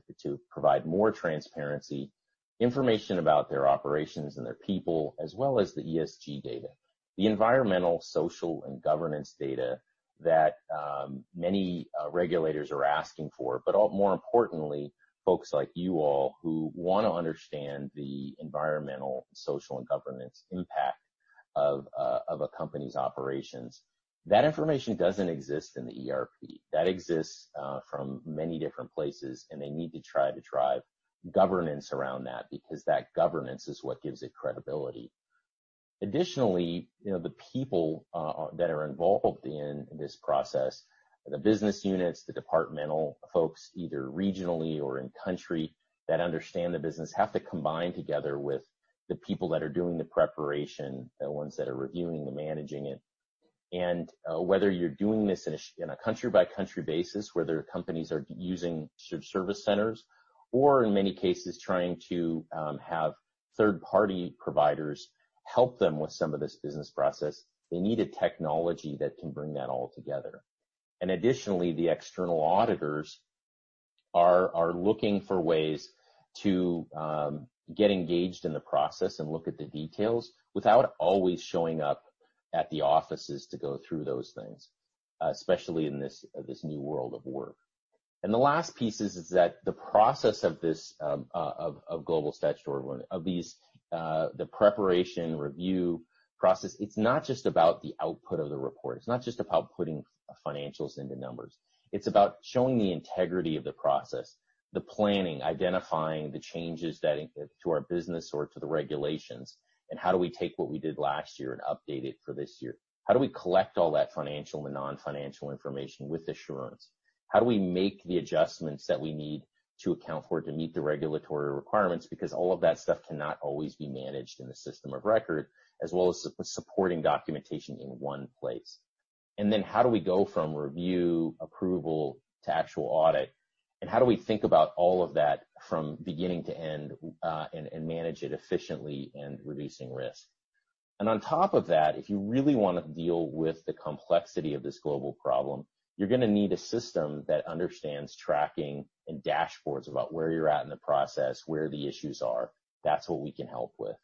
S6: provide more transparency, information about their operations and their people, as well as the ESG data, the environmental, social, and governance data that many regulators are asking for. More importantly, folks like you all who want to understand the environmental, social, and governance impact of a company's operations. That information doesn't exist in the ERP. That exists from many different places, and they need to try to drive governance around that, because that governance is what gives it credibility. Additionally, the people that are involved in this process, the business units, the departmental folks, either regionally or in-country that understand the business, have to combine together with the people that are doing the preparation, the ones that are reviewing and managing it. Whether you're doing this in a country-by-country basis, whether companies are using service centers or in many cases trying to have third-party providers help them with some of this business process, they need a technology that can bring that all together. Additionally, the external auditors are looking for ways to get engaged in the process and look at the details without always showing up at the offices to go through those things, especially in this new world of work. The last piece is that the process of these the preparation review process, it's not just about the output of the report. It's not just about putting financials into numbers. It's about showing the integrity of the process, the planning, identifying the changes to our business or to the regulations, and how do we take what we did last year and update it for this year? How do we collect all that financial and non-financial information with assurance? How do we make the adjustments that we need to account for to meet the regulatory requirements? All of that stuff cannot always be managed in the system of record, as well as supporting documentation in one place. How do we go from review, approval to actual audit? How do we think about all of that from beginning to end, and manage it efficiently and reducing risk? On top of that, if you really want to deal with the complexity of this global problem, you're going to need a system that understands tracking and dashboards about where you're at in the process, where the issues are. That's what we can help with,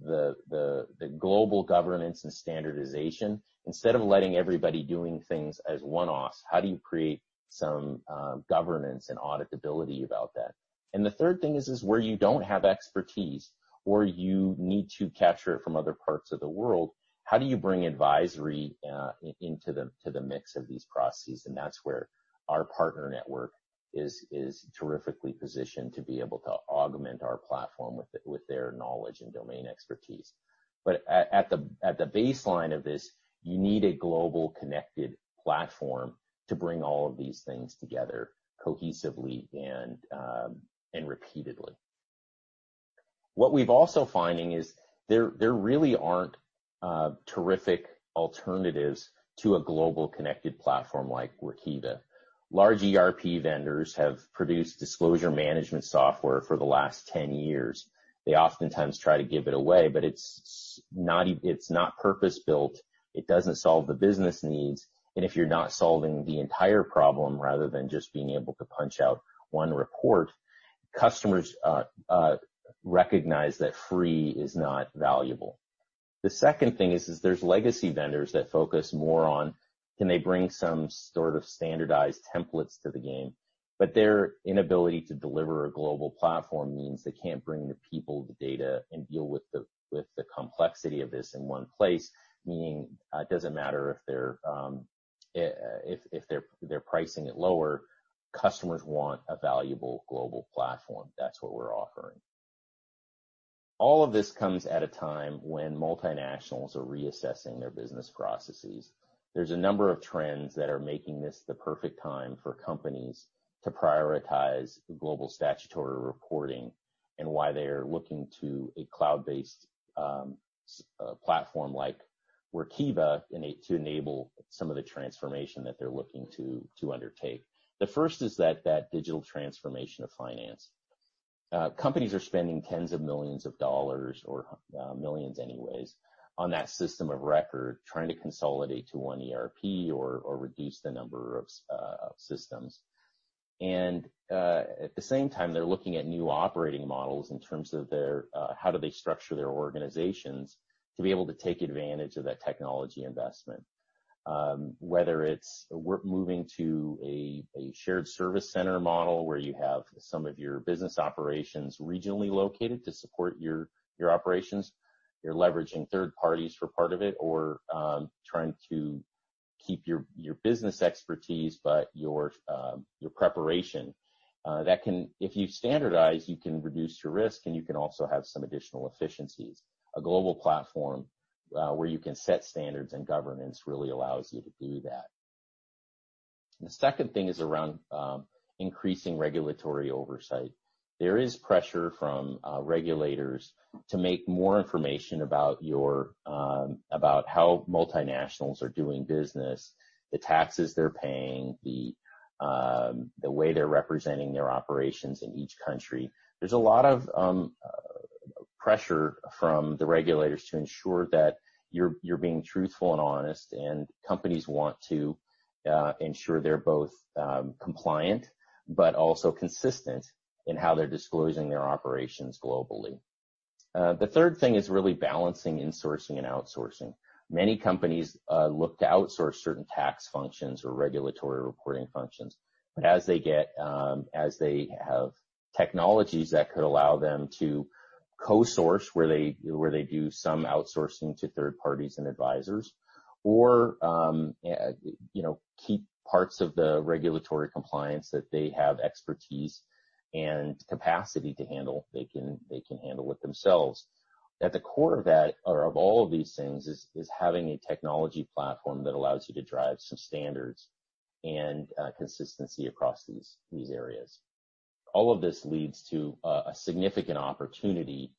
S6: the global governance and standardization. Instead of letting everybody doing things as one-offs, how do you create some governance and auditability about that? The third thing is where you don't have expertise, or you need to capture it from other parts of the world, how do you bring advisory into the mix of these processes? That's where our partner network is terrifically positioned to be able to augment our platform with their knowledge and domain expertise. At the baseline of this, you need a global connected platform to bring all of these things together cohesively and repeatedly. What we've also finding is there really aren't terrific alternatives to a global connected platform like Workiva. Large ERP vendors have produced disclosure management software for the last 10 years. They oftentimes try to give it away, but it's not purpose-built. It doesn't solve the business needs. If you're not solving the entire problem, rather than just being able to punch out one report, customers recognize that free is not valuable. The second thing is there's legacy vendors that focus more on can they bring some sort of standardized templates to the game, but their inability to deliver a global platform means they can't bring the people, the data, and deal with the complexity of this in one place. Meaning it doesn't matter if they're pricing it lower, customers want a valuable global platform. That's what we're offering. All of this comes at a time when multinationals are reassessing their business processes. There's a number of trends that are making this the perfect time for companies to prioritize Global Statutory Reporting and why they are looking to a cloud-based platform like Workiva to enable some of the transformation that they're looking to undertake. The first is that digital transformation of finance. Companies are spending tens of millions of dollars or millions anyways on that system of record, trying to consolidate to one ERP or reduce the number of systems. At the same time, they're looking at new operating models in terms of how do they structure their organizations to be able to take advantage of that technology investment. Whether it's moving to a shared service center model where you have some of your business operations regionally located to support your operations. You're leveraging third parties for part of it or trying to keep your business expertise, but your preparation. If you standardize, you can reduce your risk, and you can also have some additional efficiencies. A global platform where you can set standards and governance really allows you to do that. The second thing is around increasing regulatory oversight. There is pressure from regulators to make more information about how multinationals are doing business, the taxes they're paying, the way they're representing their operations in each country. Companies want to ensure they're both compliant but also consistent in how they're disclosing their operations globally. The third thing is really balancing insourcing and outsourcing. Many companies look to outsource certain tax functions or regulatory reporting functions. As they have technologies that could allow them to co-source where they do some outsourcing to third parties and advisors or keep parts of the regulatory compliance that they have expertise and capacity to handle, they can handle it themselves. At the core of all of these things is having a technology platform that allows you to drive some standards and consistency across these areas. All of this leads to a significant opportunity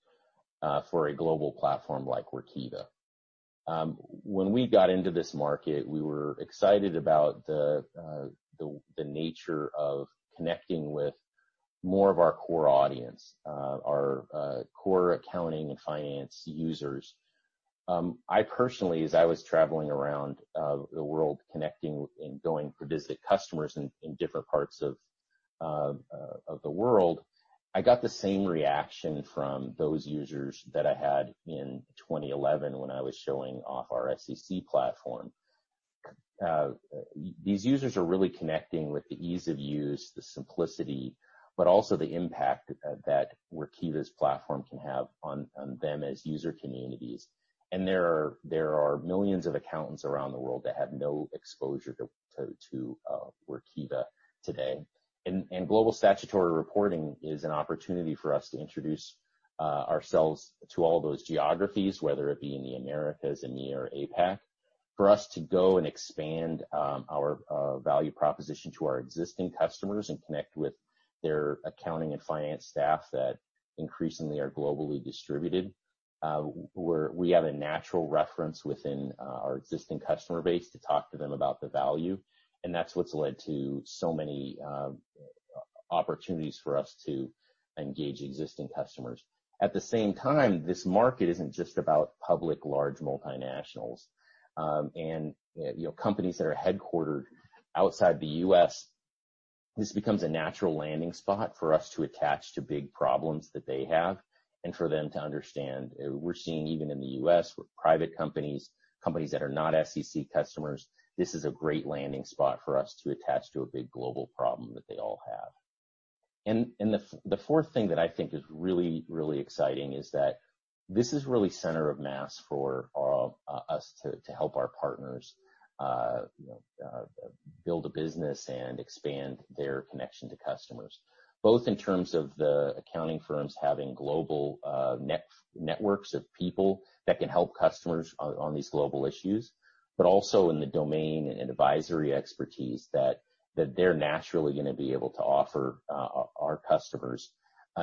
S6: for a global platform like Workiva. When we got into this market, we were excited about the nature of connecting with more of our core audience, our core accounting and finance users. I personally, as I was traveling around the world connecting and going to visit customers in different parts of the world, I got the same reaction from those users that I had in 2011 when I was showing off our SEC platform. These users are really connecting with the ease of use, the simplicity, but also the impact that Workiva's platform can have on them as user communities. There are millions of accountants around the world that have no exposure to Workiva today. Global Statutory Reporting is an opportunity for us to introduce ourselves to all those geographies, whether it be in the Americas, EMEA, or APAC. For us to go and expand our value proposition to our existing customers and connect with their accounting and finance staff that increasingly are globally distributed, we have a natural reference within our existing customer base to talk to them about the value, and that's what's led to so many opportunities for us to engage existing customers. At the same time, this market isn't just about public large multinationals. Companies that are headquartered outside the U.S., this becomes a natural landing spot for us to attach to big problems that they have and for them to understand. We're seeing even in the U.S., private companies that are not SEC customers, this is a great landing spot for us to attach to a big global problem that they all have. The fourth thing that I think is really, really exciting is that this is really center of mass for us to help our partners build a business and expand their connection to customers, both in terms of the accounting firms having global networks of people that can help customers on these global issues, but also in the domain and advisory expertise that they're naturally going to be able to offer our customers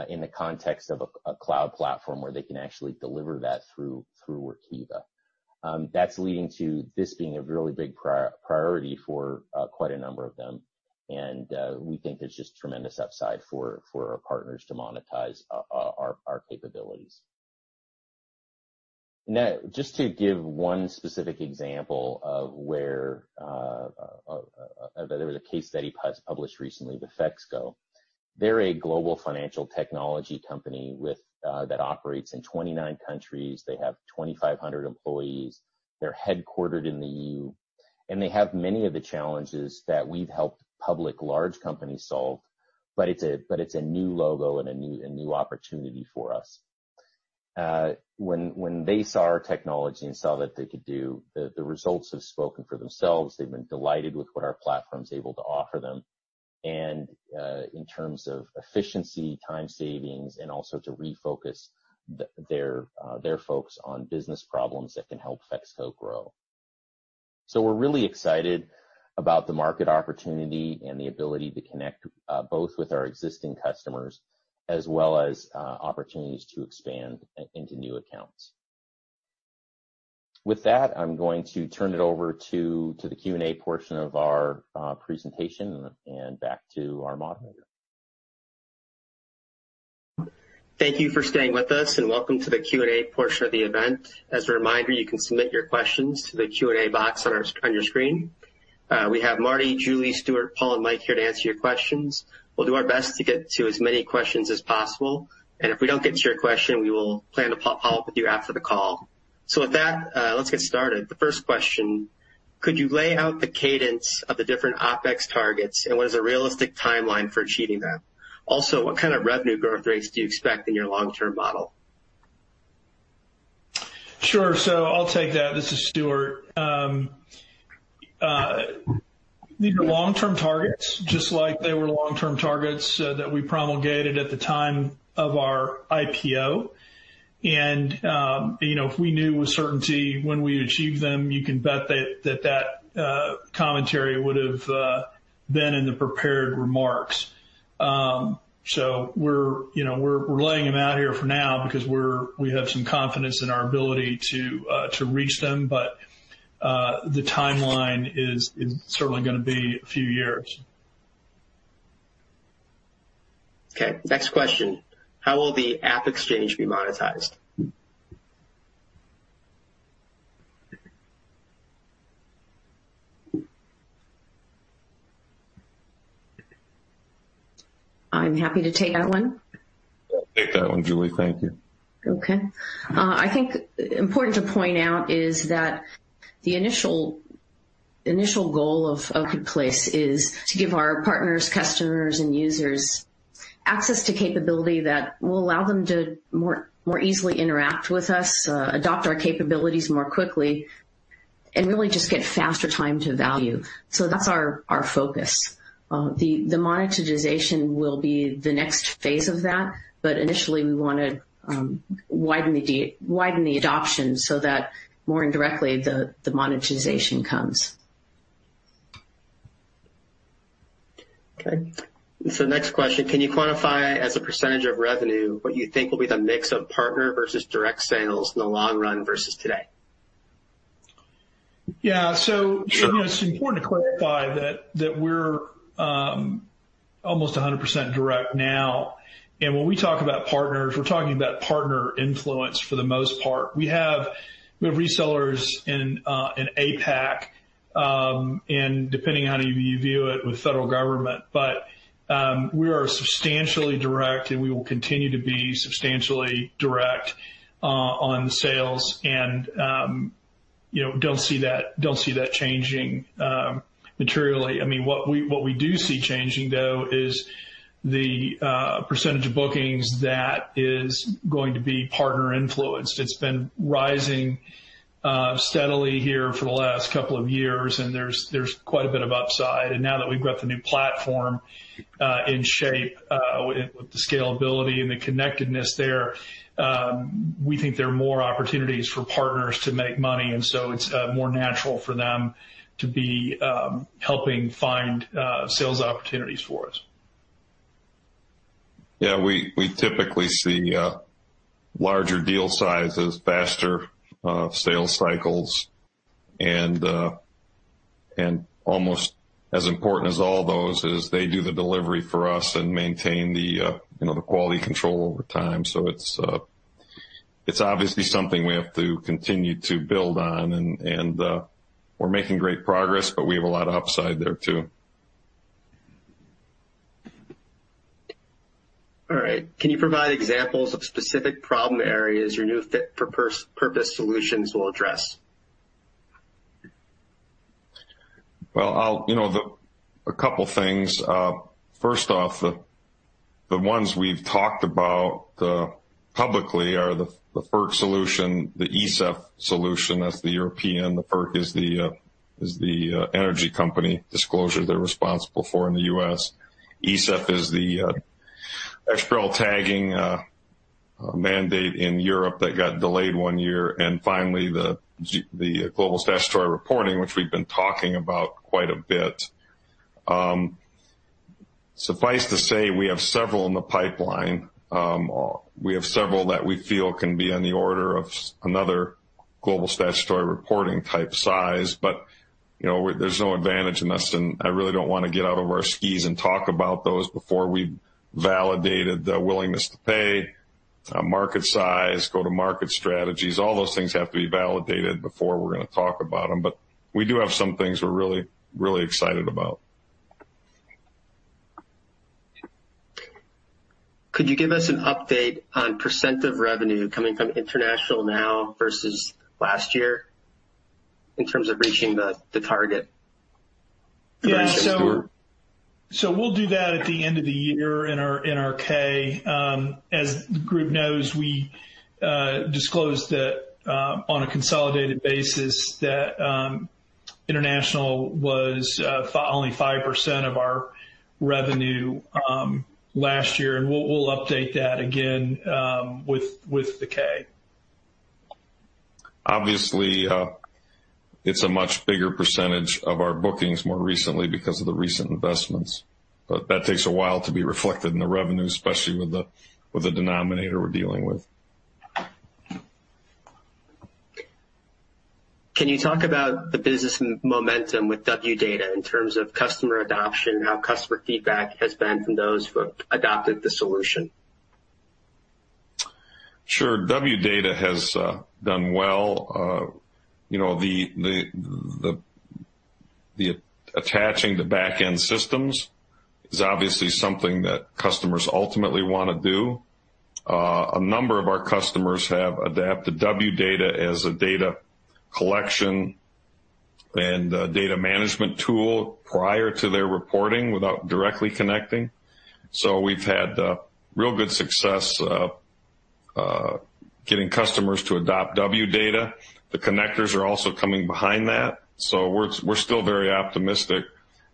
S6: in the context of a cloud platform where they can actually deliver that through Workiva. That's leading to this being a really big priority for quite a number of them, and we think there's just tremendous upside for our partners to monetize our capabilities. Just to give one specific example of where there was a case study published recently with Fexco. They're a global financial technology company that operates in 29 countries. They have 2,500 employees. They're headquartered in the EU. They have many of the challenges that we've helped public large companies solve. It's a new logo and a new opportunity for us. When they saw our technology and saw what they could do, the results have spoken for themselves. They've been delighted with what our platform's able to offer them. In terms of efficiency, time savings, and also to refocus their folks on business problems that can help Fexco grow. We're really excited about the market opportunity and the ability to connect both with our existing customers as well as opportunities to expand into new accounts. With that, I'm going to turn it over to the Q&A portion of our presentation and back to our moderator.
S1: Thank you for staying with us. Welcome to the Q&A portion of the event. As a reminder, you can submit your questions to the Q&A box on your screen. We have Marty, Julie, Stuart, Paul, and Mike here to answer your questions. We'll do our best to get to as many questions as possible. If we don't get to your question, we will plan to follow up with you after the call. With that, let's get started. The first question, could you lay out the cadence of the different OpEx targets, and what is a realistic timeline for achieving them? Also, what kind of revenue growth rates do you expect in your long-term model?
S4: Sure. I'll take that. This is Stuart. These are long-term targets, just like they were long-term targets that we promulgated at the time of our IPO. If we knew with certainty when we'd achieve them, you can bet that that commentary would have been in the prepared remarks. We're laying them out here for now because we have some confidence in our ability to reach them. The timeline is certainly going to be a few years.
S1: Okay, next question. How will the App Exchange be monetized?
S3: I'm happy to take that one.
S2: Take that one, Julie. Thank you.
S3: Okay. I think important to point out is that the initial goal of a good place is to give our partners, customers, and users access to capability that will allow them to more easily interact with us, adopt our capabilities more quickly, and really just get faster time to value. That's our focus. The monetization will be the next phase of that, but initially, we want to widen the adoption so that more indirectly, the monetization comes.
S1: Okay, next question. Can you quantify as a percentage of revenue what you think will be the mix of partner versus direct sales in the long run versus today?
S4: Yeah.
S2: Sure
S4: It's important to clarify that we're almost 100% direct now. When we talk about partners, we're talking about partner influence for the most part. We have resellers in APAC, depending on how you view it with the federal government. We are substantially direct. We will continue to be substantially direct on sales and don't see that changing materially. What we do see changing, though, is the percentage of bookings that is going to be partner-influenced. It's been rising steadily here for the last couple of years. There's quite a bit of upside. Now that we've got the new platform in shape with the scalability and the connectedness there, we think there are more opportunities for partners to make money. It's more natural for them to be helping find sales opportunities for us.
S2: Yeah. We typically see larger deal sizes, faster sales cycles, and almost as important as all those is they do the delivery for us and maintain the quality control over time. It's obviously something we have to continue to build on, and we're making great progress, but we have a lot of upside there, too.
S1: All right. Can you provide examples of specific problem areas your new fit-for-purpose solutions will address?
S2: A couple of things. First off, the ones we've talked about publicly are the FERC solution, the ESEF solution, that's the European. The FERC is the energy company disclosure they're responsible for in the U.S. ESEF is the XBRL tagging mandate in Europe that got delayed one year, and finally, the Global Statutory Reporting, which we've been talking about quite a bit. Suffice to say, we have several in the pipeline. We have several that we feel can be on the order of another Global Statutory Reporting type size. There's no advantage in us, and I really don't want to get out over our skis and talk about those before we've validated the willingness to pay, market size, go-to-market strategies. All those things have to be validated before we're going to talk about them. We do have some things we're really excited about.
S1: Could you give us an update on percent of revenue coming from international now versus last year in terms of reaching the target?
S2: You want to start, Stuart?
S4: Yeah. We'll do that at the end of the year in our K. As the group knows, we disclosed that on a consolidated basis, that international was only 5% of our revenue last year, we'll update that again with the K.
S2: Obviously, it's a much bigger percentage of our bookings more recently because of the recent investments. That takes a while to be reflected in the revenue, especially with the denominator we're dealing with.
S1: Can you talk about the business momentum with Wdata in terms of customer adoption and how customer feedback has been from those who have adopted the solution?
S2: Sure. Wdata has done well. The attaching to back-end systems is obviously something that customers ultimately want to do. A number of our customers have adapted Wdata as a data collection and data management tool prior to their reporting without directly connecting. We've had real good success getting customers to adopt Wdata. The connectors are also coming behind that. We're still very optimistic.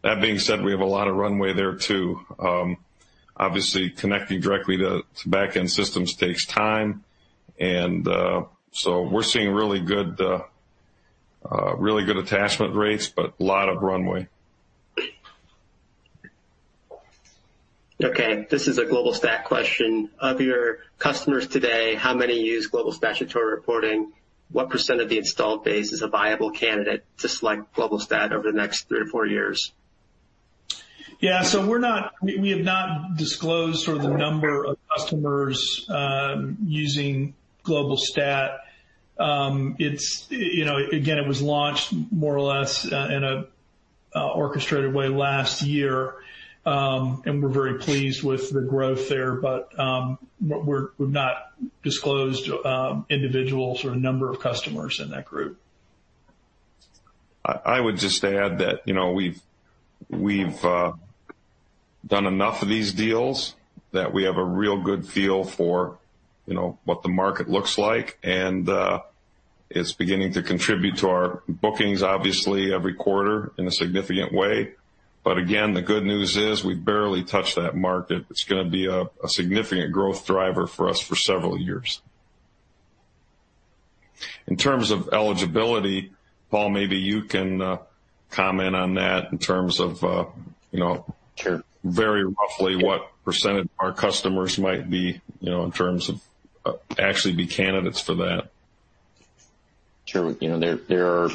S2: That being said, we have a lot of runway there, too. Obviously, connecting directly to back-end systems takes time, and so we're seeing really good attachment rates, but a lot of runway.
S1: Okay, this is a Global Stat question. Of your customers today, how many use Global Statutory Reporting? What percent of the installed base is a viable candidate to select Global Stat over the next three or four years?
S4: Yeah. We have not disclosed the number of customers using Global Stat. Again, it was launched more or less in an orchestrated way last year. We're very pleased with the growth there, but we've not disclosed individuals or number of customers in that group.
S2: I would just add that we've done enough of these deals that we have a real good feel for what the market looks like. It's beginning to contribute to our bookings, obviously, every quarter in a significant way. Again, the good news is we've barely touched that market. It's going to be a significant growth driver for us for several years. In terms of eligibility, Paul, maybe you can comment on that.
S6: Sure
S2: Very roughly what percentage our customers might be, in terms of actually be candidates for that.
S6: Sure. There are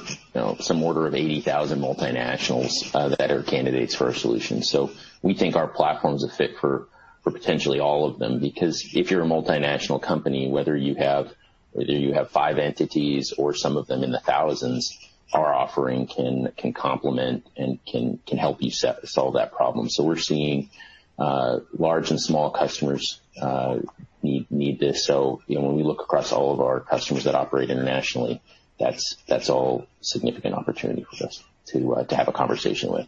S6: some order of 80,000 multinationals that are candidates for our solution. We think our platform's a fit for potentially all of them, because if you're a multinational company, whether you have five entities or some of them in the thousands, our offering can complement and can help you solve that problem. We're seeing large and small customers need this. When we look across all of our customers that operate internationally, that's all significant opportunity for us to have a conversation with.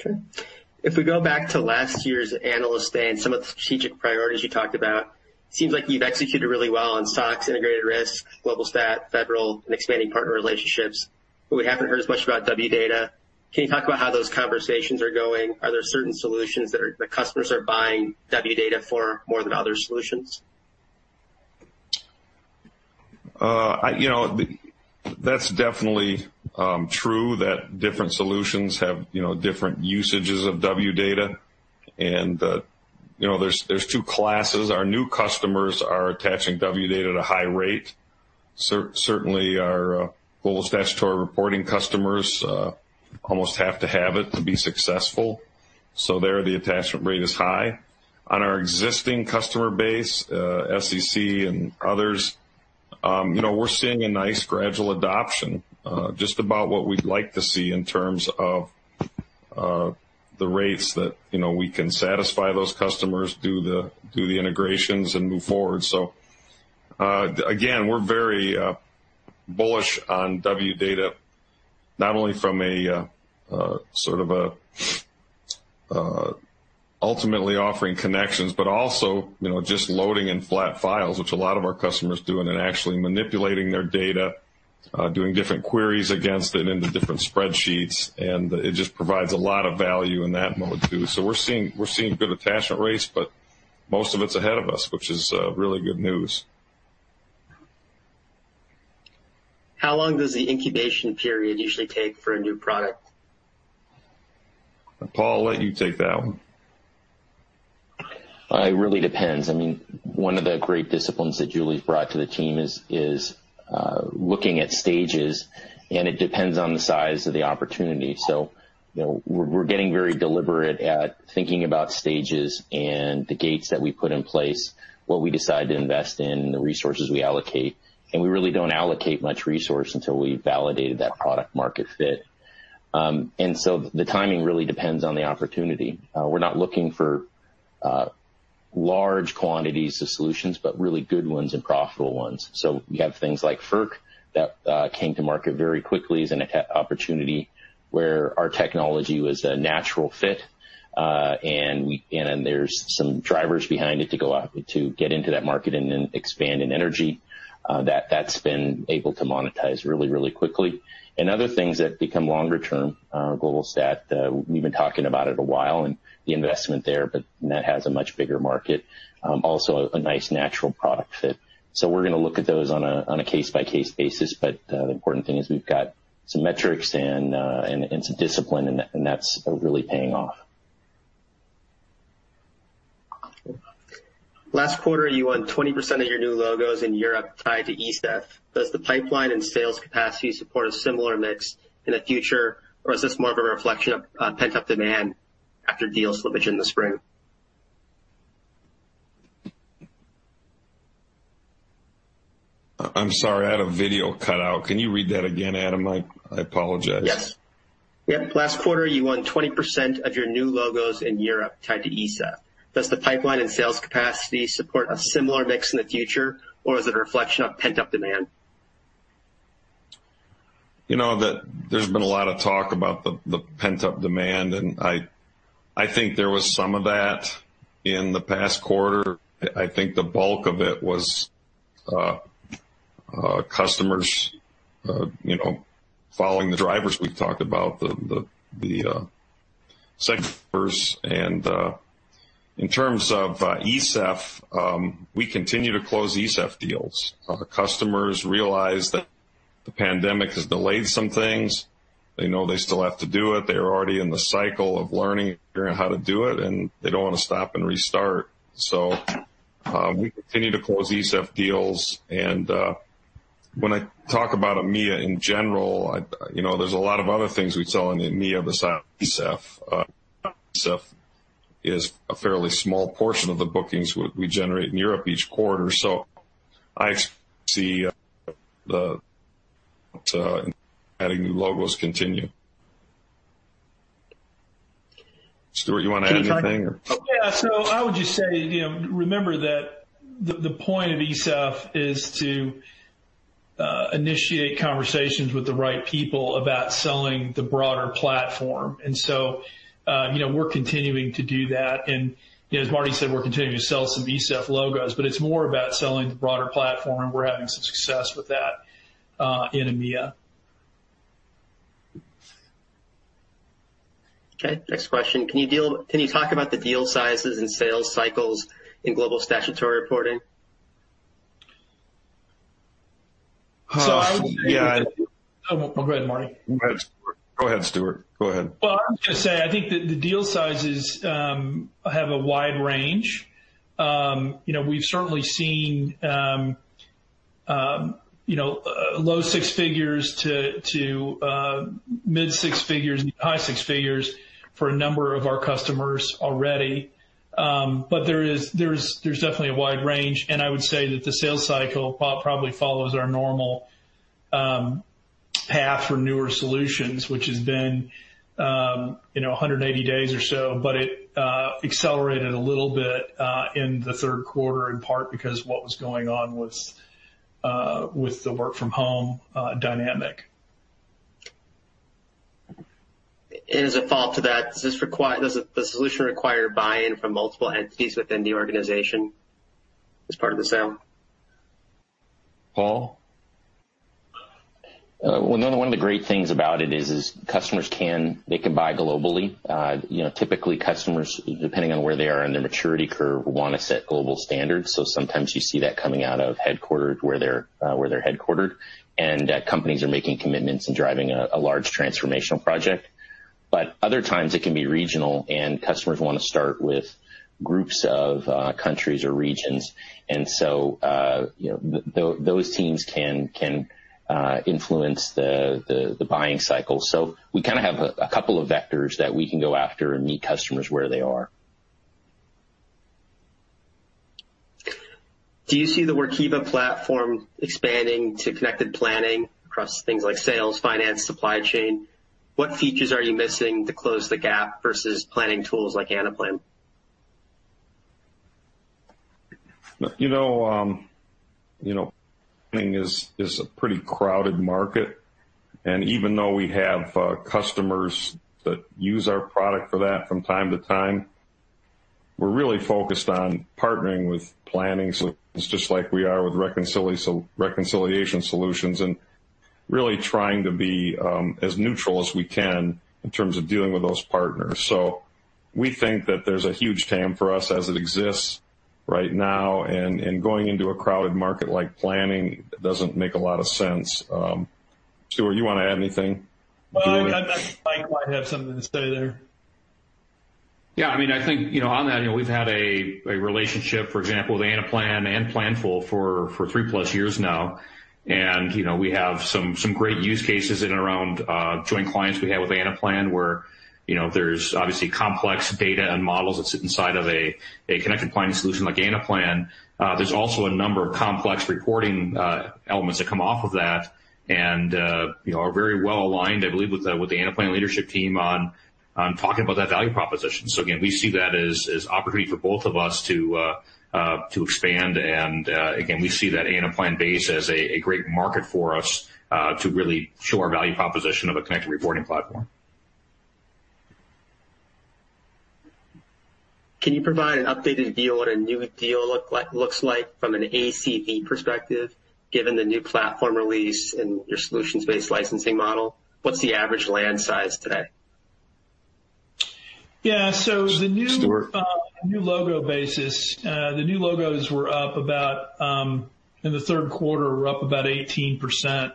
S2: Okay.
S1: If we go back to last year's Analyst Day and some of the strategic priorities you talked about, seems like you've executed really well on SOX, integrated risk, Global-Stat, Federal, and expanding partner relationships, but we haven't heard as much about Wdata. Can you talk about how those conversations are going? Are there certain solutions that the customers are buying Wdata for more than other solutions?
S2: That's definitely true that different solutions have different usages of Wdata. There's two classes. Our new customers are attaching Wdata at a high rate. Certainly, our Global Statutory reporting customers, almost have to have it to be successful. There, the attachment rate is high. On our existing customer base, SEC and others, we're seeing a nice gradual adoption. Just about what we'd like to see in terms of the rates that we can satisfy those customers, do the integrations, and move forward. Again, we're very bullish on Wdata, not only from a sort of ultimately offering connections, but also just loading in flat files, which a lot of our customers do, and then actually manipulating their data, doing different queries against it into different spreadsheets, and it just provides a lot of value in that mode, too. We're seeing good attachment rates, but most of it's ahead of us, which is really good news.
S1: How long does the incubation period usually take for a new product?
S2: Paul, I'll let you take that one.
S6: It really depends. One of the great disciplines that Julie's brought to the team is looking at stages. It depends on the size of the opportunity. We're getting very deliberate at thinking about stages and the gates that we put in place, what we decide to invest in, the resources we allocate. We really don't allocate much resource until we've validated that product market fit. The timing really depends on the opportunity. We're not looking for large quantities of solutions, but really good ones and profitable ones. We have things like FERC that came to market very quickly as an opportunity where our technology was a natural fit. There's some drivers behind it to get into that market and then expand in energy. That's been able to monetize really quickly. Other things that become longer term, GlobalStat, we've been talking about it a while and the investment there, but that has a much bigger market. Also a nice natural product fit. We're going to look at those on a case-by-case basis, but the important thing is we've got some metrics and some discipline, and that's really paying off.
S1: Last quarter, you won 20% of your new logos in Europe tied to ESEF. Does the pipeline and sales capacity support a similar mix in the future, or is this more of a reflection of pent-up demand after deal slippage in the spring?
S2: I'm sorry. I had a video cut out. Can you read that again, Adam? I apologize.
S1: Yes. Last quarter, you won 20% of your new logos in Europe tied to ESEF. Does the pipeline and sales capacity support a similar mix in the future, or is it a reflection of pent-up demand?
S2: There's been a lot of talk about the pent-up demand, and I think there was some of that in the past quarter. I think the bulk of it was customers following the drivers we've talked about, the sectors. In terms of ESEF, we continue to close ESEF deals. Our customers realize that the pandemic has delayed some things. They know they still have to do it. They're already in the cycle of learning how to do it, and they don't want to stop and restart. We continue to close ESEF deals. When I talk about EMEA in general, there's a lot of other things we sell in EMEA besides ESEF. ESEF is a fairly small portion of the bookings we generate in Europe each quarter. I see the adding new logos continue. Stuart, you want to add anything?
S4: Yeah. I would just say, remember that the point of ESEF is to initiate conversations with the right people about selling the broader platform. We're continuing to do that. As Marty said, we're continuing to sell some ESEF logos, but it's more about selling the broader platform. We're having some success with that in EMEA.
S1: Okay, next question. Can you talk about the deal sizes and sales cycles in Global Statutory Reporting?
S4: So I would-
S2: Yeah.
S4: Oh, go ahead, Marty.
S2: Go ahead, Stuart. Go ahead.
S4: I was going to say, I think that the deal sizes have a wide range. We've certainly seen low six figures to mid-six figures, high six figures for a number of our customers already. There's definitely a wide range, and I would say that the sales cycle probably follows our normal path for newer solutions, which has been 180 days or so. It accelerated a little bit in the third quarter, in part because what was going on with the work from home dynamic.
S1: As a follow-up to that, does the solution require buy-in from multiple entities within the organization as part of the sale?
S2: Paul?
S6: Well, another one of the great things about it is, customers can buy globally. Typically customers, depending on where they are in their maturity curve, want to set global standards. Sometimes you see that coming out of where they're headquartered, and companies are making commitments and driving a large transformational project. Other times it can be regional, and customers want to start with groups of countries or regions. Those teams can influence the buying cycle. We kind of have a couple of vectors that we can go after and meet customers where they are.
S1: Do you see the Workiva platform expanding to connected planning across things like sales, finance, supply chain? What features are you missing to close the gap versus planning tools like Anaplan?
S2: Planning is a pretty crowded market, and even though we have customers that use our product for that from time to time, we're really focused on partnering with planning solutions just like we are with reconciliation solutions, and really trying to be as neutral as we can in terms of dealing with those partners. We think that there's a huge TAM for us as it exists right now, and going into a crowded market like planning doesn't make a lot of sense. Stuart, you want to add anything?
S4: Well, Mike might have something to say there.
S5: Yeah, I think, on that, we've had a relationship, for example, with Anaplan and Planful for three-plus years now. We have some great use cases in and around joint clients we have with Anaplan where there's obviously complex data and models that sit inside of a connected planning solution like Anaplan. There's also a number of complex reporting elements that come off of that, and are very well aligned, I believe, with the Anaplan leadership team on talking about that value proposition. Again, we see that as opportunity for both of us to expand and, again, we see that Anaplan base as a great market for us, to really show our value proposition of a connected reporting platform.
S1: Can you provide an updated view on what a new deal looks like from an ACV perspective, given the new platform release and your solutions-based licensing model? What's the average land size today?
S4: Yeah.
S2: Stuart.
S4: The new logo basis, the new logos in the third quarter were up about 18%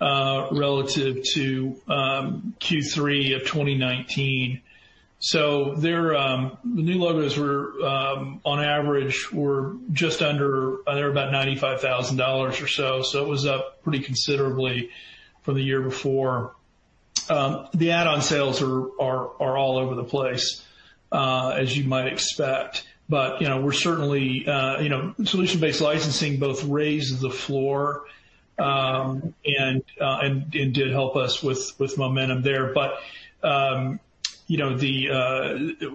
S4: relative to Q3 of 2019. The new logos on average were about $95,000 or so. It was up pretty considerably from the year before. The add-on sales are all over the place, as you might expect. Solution-based licensing both raises the floor and did help us with momentum there. The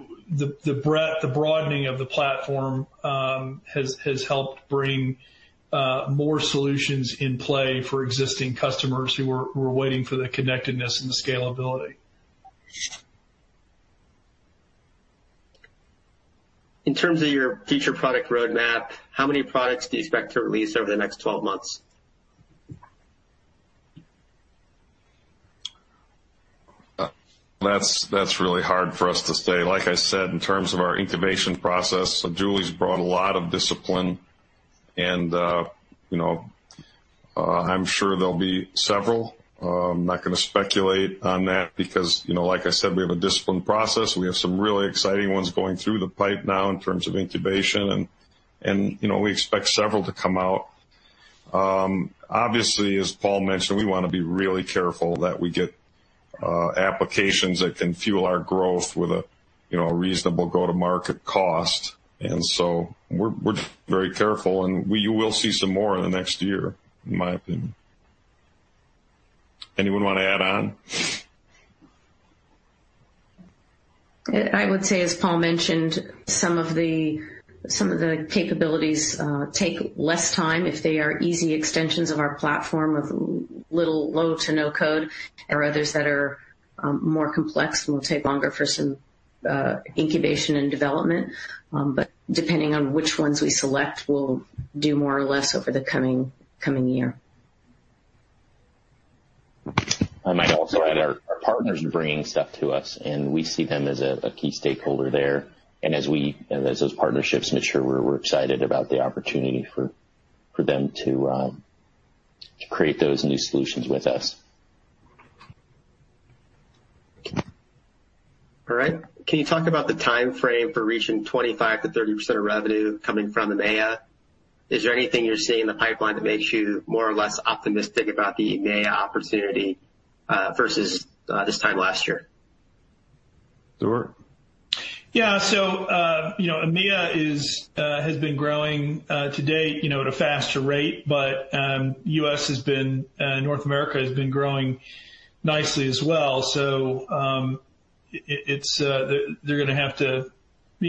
S4: broadening of the platform has helped bring more solutions in play for existing customers who were waiting for the connectedness and the scalability.
S1: In terms of your future product roadmap, how many products do you expect to release over the next 12 months?
S2: That's really hard for us to say. Like I said, in terms of our incubation process, Julie's brought a lot of discipline and I'm sure there'll be several. I'm not going to speculate on that because, like I said, we have a disciplined process. We have some really exciting ones going through the pipe now in terms of incubation and we expect several to come out. Obviously, as Paul mentioned, we want to be really careful that we get applications that can fuel our growth with a reasonable go-to-market cost. We're very careful, and you will see some more in the next year, in my opinion. Anyone want to add on?
S3: I would say, as Paul mentioned, some of the capabilities take less time if they are easy extensions of our platform of little, low to no code. There are others that are more complex and will take longer for some incubation and development. Depending on which ones we select, we'll do more or less over the coming year.
S6: I might also add our partners are bringing stuff to us, and we see them as a key stakeholder there. As those partnerships mature, we're excited about the opportunity for them to create those new solutions with us.
S1: All right. Can you talk about the timeframe for reaching 25%-30% of revenue coming from EMEA? Is there anything you're seeing in the pipeline that makes you more or less optimistic about the EMEA opportunity, versus this time last year?
S2: Sure.
S4: Yeah. EMEA has been growing to date at a faster rate. North America has been growing nicely as well.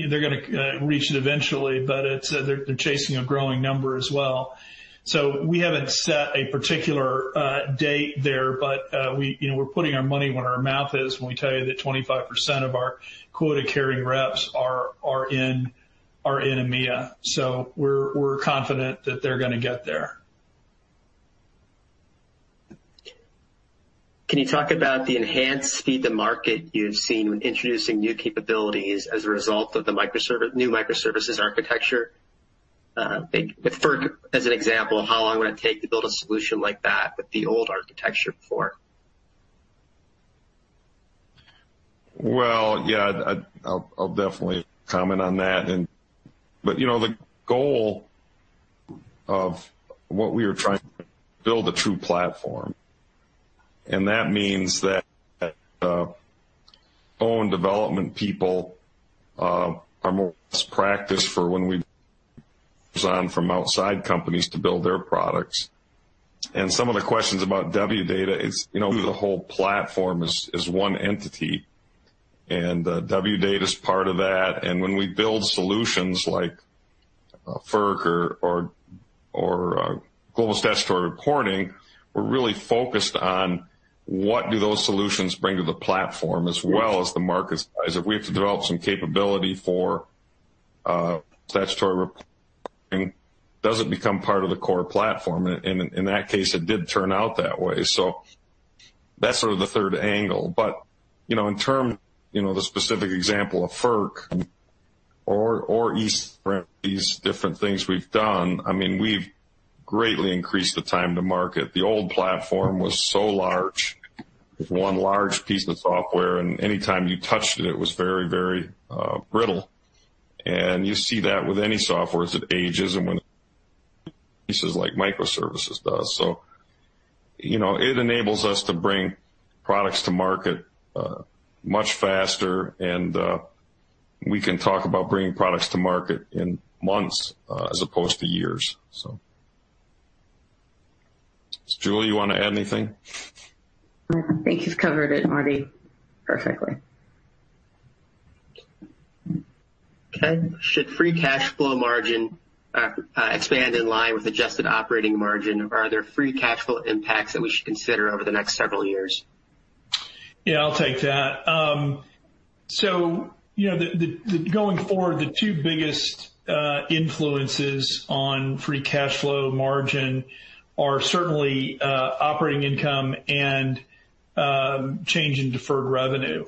S4: They're going to reach it eventually, but they're chasing a growing number as well. We haven't set a particular date there, but we're putting our money where our mouth is when we tell you that 25% of our quota-carrying reps are in EMEA. We're confident that they're going to get there.
S1: Can you talk about the enhanced speed to market you've seen when introducing new capabilities as a result of the new microservices architecture? With FERC as an example, how long would it take to build a solution like that with the old architecture before?
S2: Well, yeah. I'll definitely comment on that. The goal of what we are trying to build a true platform, that means that our own development people are more best practice for when we design from outside companies to build their products. Some of the questions about Wdata, the whole platform is one entity, Wdata's part of that. When we build solutions like FERC or Global Statutory Reporting, we're really focused on what do those solutions bring to the platform as well as the market size. If we have to develop some capability for statutory reporting, does it become part of the core platform? In that case, it did turn out that way. That's sort of the third angle. In terms the specific example of FERC or these different things we've done, we've greatly increased the time to market. The old platform was so large, it was one large piece of software, and anytime you touched it was very brittle. You see that with any software as it ages and when pieces like microservices does. It enables us to bring products to market much faster, and we can talk about bringing products to market in months as opposed to years. Julie, you want to add anything?
S3: I think you've covered it, Marty, perfectly.
S1: Okay. Should free cash flow margin expand in line with adjusted operating margin? Are there free cash flow impacts that we should consider over the next several years?
S4: Yeah, I'll take that. Going forward, the two biggest influences on free cash flow margin are certainly operating income and change in deferred revenue.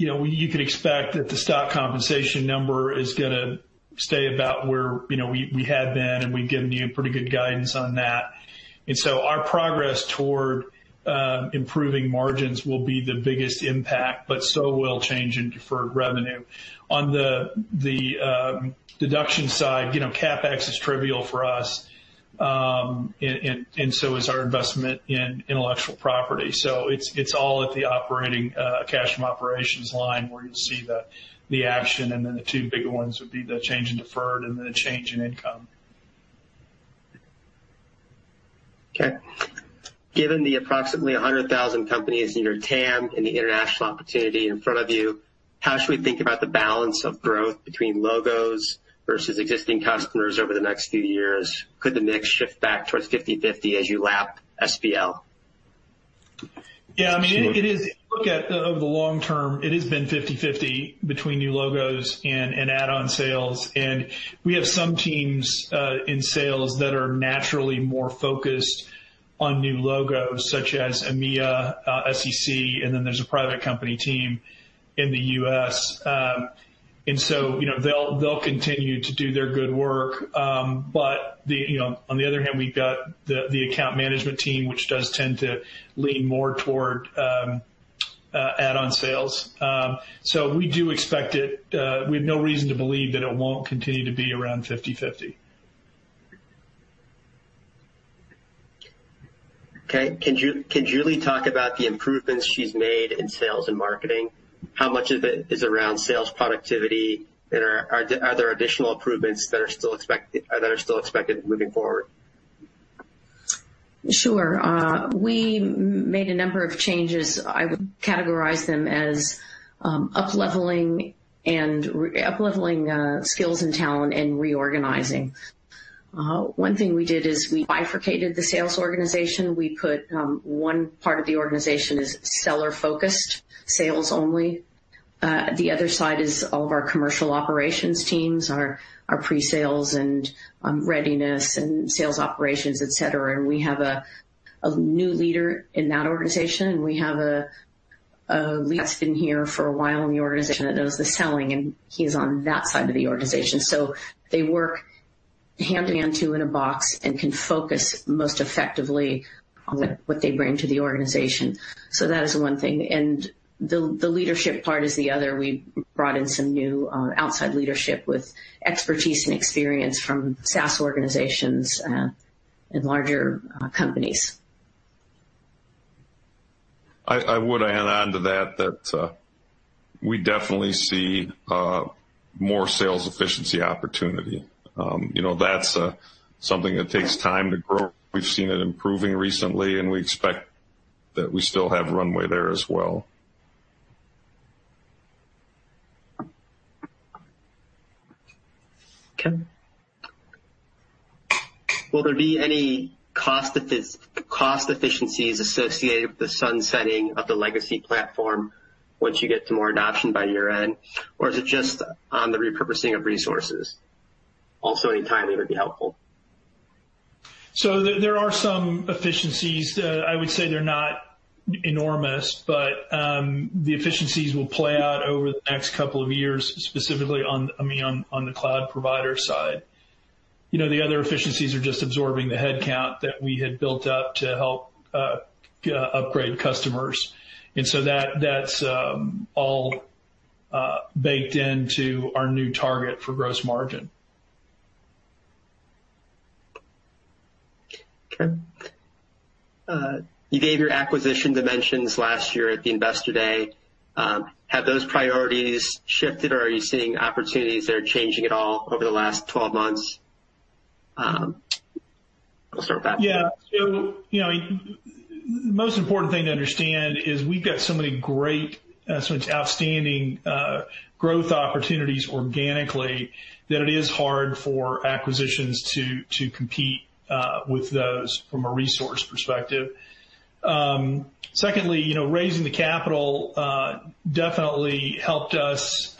S4: You could expect that the stock compensation number is going to stay about where we had been, and we've given you pretty good guidance on that. Our progress toward improving margins will be the biggest impact, but so will change in deferred revenue. On the deduction side, CapEx is trivial for us, and so is our investment in intellectual property. It's all at the cash from operations line where you'll see the action, and then the two bigger ones would be the change in deferred and then the change in income.
S1: Okay. Given the approximately 100,000 companies in your TAM and the international opportunity in front of you, how should we think about the balance of growth between logos versus existing customers over the next few years? Could the mix shift back towards 50/50 as you lap SBL?
S4: Yeah. If you look at over the long term, it has been 50/50 between new logos and add-on sales. We have some teams in sales that are naturally more focused on new logos, such as EMEA, SEC, and then there's a private company team in the U.S. They'll continue to do their good work. On the other hand, we've got the account management team, which does tend to lean more toward add-on sales. We have no reason to believe that it won't continue to be around 50/50.
S1: Okay. Can Julie talk about the improvements she's made in sales and marketing? How much of it is around sales productivity, and are there additional improvements that are still expected moving forward?
S3: Sure. We made a number of changes. I would categorize them as upleveling skills and talent and reorganizing. One thing we did is we bifurcated the sales organization. One part of the organization is seller-focused, sales only. The other side is all of our commercial operations teams, our pre-sales and readiness and sales operations, et cetera, and we have a new leader in that organization, and we have a lead that's been here for a while in the organization that does the selling, and he's on that side of the organization. They work hand in hand, two in a box, and can focus most effectively on what they bring to the organization. That is one thing. The leadership part is the other. We brought in some new outside leadership with expertise and experience from SaaS organizations and larger companies.
S2: I would add on to that we definitely see more sales efficiency opportunity. That's something that takes time to grow. We've seen it improving recently. We expect that we still have runway there as well.
S3: Okay.
S1: Will there be any cost efficiencies associated with the sunsetting of the legacy platform once you get to more adoption by year-end? Is it just on the repurposing of resources? Also, any timing would be helpful.
S4: There are some efficiencies. I would say they're not enormous, but the efficiencies will play out over the next couple of years, specifically on the cloud provider side. The other efficiencies are just absorbing the headcount that we had built up to help upgrade customers. That's all baked into our new target for gross margin.
S1: Okay. You gave your acquisition dimensions last year at the Investor Day. Have those priorities shifted, or are you seeing opportunities that are changing at all over the last 12 months? We'll start with that.
S4: Yeah. The most important thing to understand is we've got so many great, so much outstanding growth opportunities organically, that it is hard for acquisitions to compete with those from a resource perspective. Secondly, raising the capital definitely helped us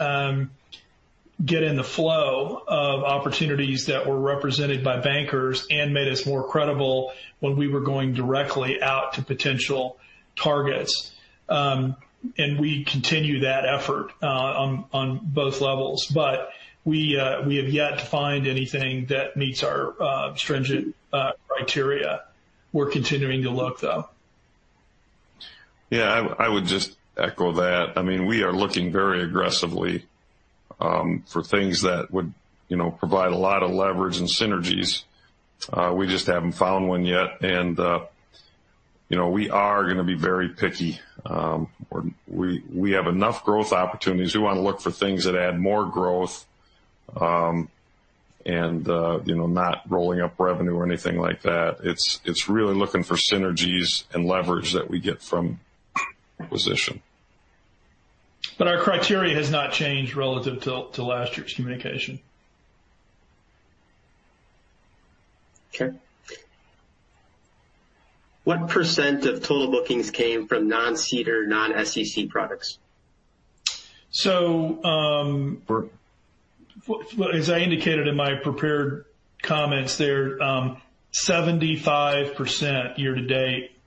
S4: get in the flow of opportunities that were represented by bankers and made us more credible when we were going directly out to potential targets. We continue that effort on both levels, but we have yet to find anything that meets our stringent criteria. We're continuing to look, though.
S2: Yeah, I would just echo that. We are looking very aggressively for things that would provide a lot of leverage and synergies. We just haven't found one yet, and we are going to be very picky. We have enough growth opportunities. We want to look for things that add more growth, and not rolling up revenue or anything like that. It's really looking for synergies and leverage that we get from acquisition.
S4: Our criteria has not changed relative to last year's communication.
S1: Okay. What percent of total bookings came from non-SEDAR, non-SEC products?
S4: So-
S2: Or-
S4: As I indicated in my prepared comments there, 75% year to date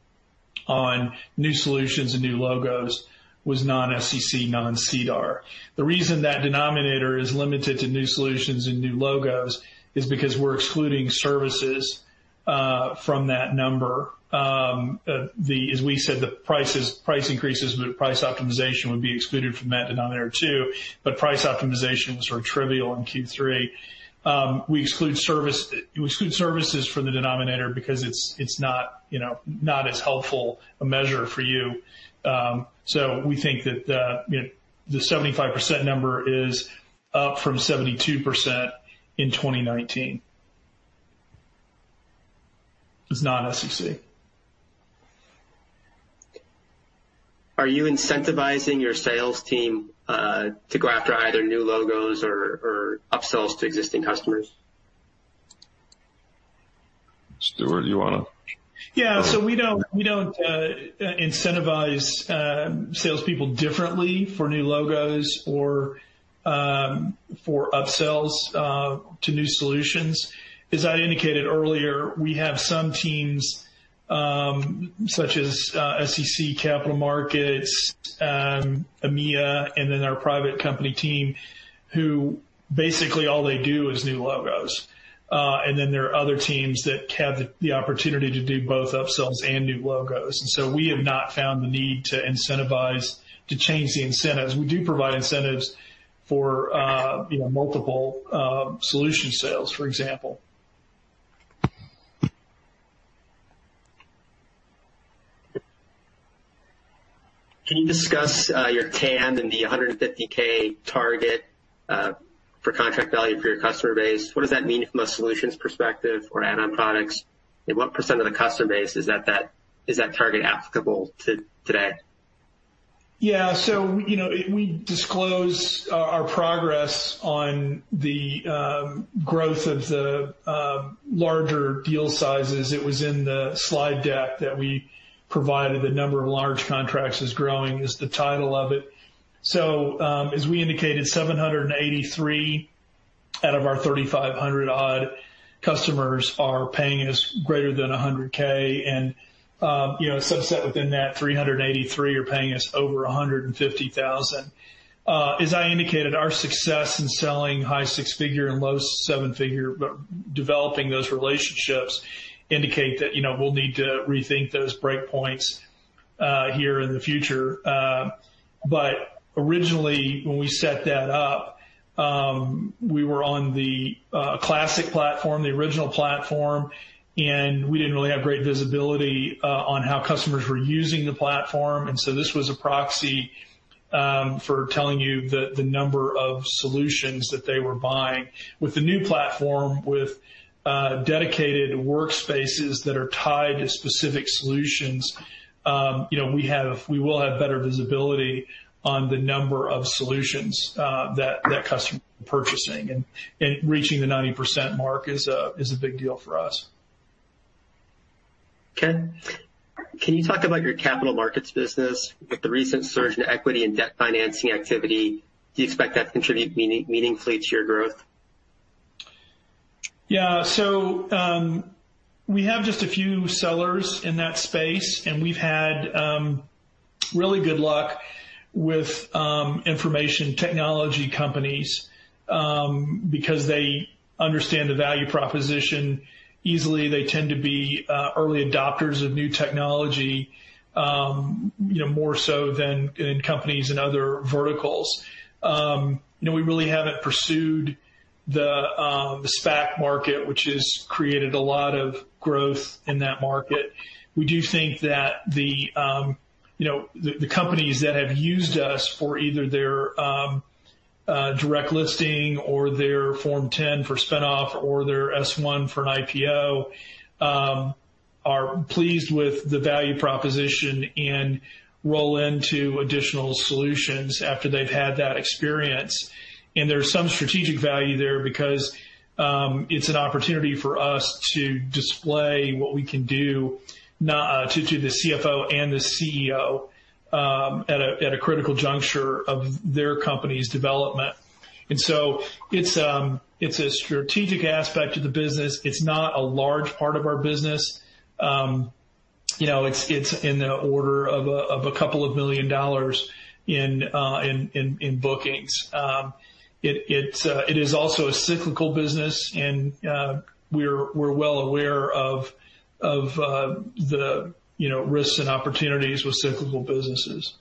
S4: on new solutions and new logos was non-SEC, non-SEDAR. The reason that denominator is limited to new solutions and new logos is because we're excluding services from that number. As we said, the price increases, price optimization would be excluded from that denominator, too. Price optimization was sort of trivial in Q3. We exclude services from the denominator because it's not as helpful a measure for you. We think that the 75% number is up from 72% in 2019. Is non-SEC.
S1: Are you incentivizing your sales team to go after either new logos or upsells to existing customers?
S2: Stuart, you want to?
S4: Yeah. We don't incentivize salespeople differently for new logos or for upsells to new solutions. As I indicated earlier, we have some teams such as SEC, capital markets, EMEA, our private company team, who basically all they do is new logos. There are other teams that have the opportunity to do both upsells and new logos. We have not found the need to incentivize, to change the incentives. We do provide incentives for multiple solution sales, for example.
S1: Can you discuss your TAM and the $150,000 target for contract value for your customer base? What does that mean from a solutions perspective or add-on products? What percent of the customer base is that target applicable to today?
S4: We disclose our progress on the growth of the larger deal sizes. It was in the slide deck that we provided, the number of large contracts is growing is the title of it. As we indicated, 783 out of our 3,500 odd customers are paying us greater than $100K. A subset within that 383 are paying us over $150,000. As I indicated, our success in selling high six-figure and low seven-figure, but developing those relationships indicate that we'll need to rethink those breakpoints here in the future. Originally, when we set that up, we were on the classic platform, the original platform, and we didn't really have great visibility on how customers were using the platform. This was a proxy for telling you the number of solutions that they were buying. With the new platform, with dedicated workspaces that are tied to specific solutions, we will have better visibility on the number of solutions that customer purchasing. Reaching the 90% mark is a big deal for us.
S1: Can you talk about your capital markets business with the recent surge in equity and debt financing activity? Do you expect that to contribute meaningfully to your growth?
S4: We have just a few sellers in that space, and we've had really good luck with information technology companies, because they understand the value proposition easily. They tend to be early adopters of new technology, more so than in companies in other verticals. We really haven't pursued the SPAC market, which has created a lot of growth in that market. We do think that the companies that have used us for either their direct listing or their Form 10 for spinoff or their S-1 for an IPO, are pleased with the value proposition and roll into additional solutions after they've had that experience. There's some strategic value there because, it's an opportunity for us to display what we can do to the CFO and the CEO, at a critical juncture of their company's development. It's a strategic aspect to the business. It's not a large part of our business. It's in the order of a couple of million dollars in bookings. It is also a cyclical business, and we're well aware of the risks and opportunities with cyclical businesses.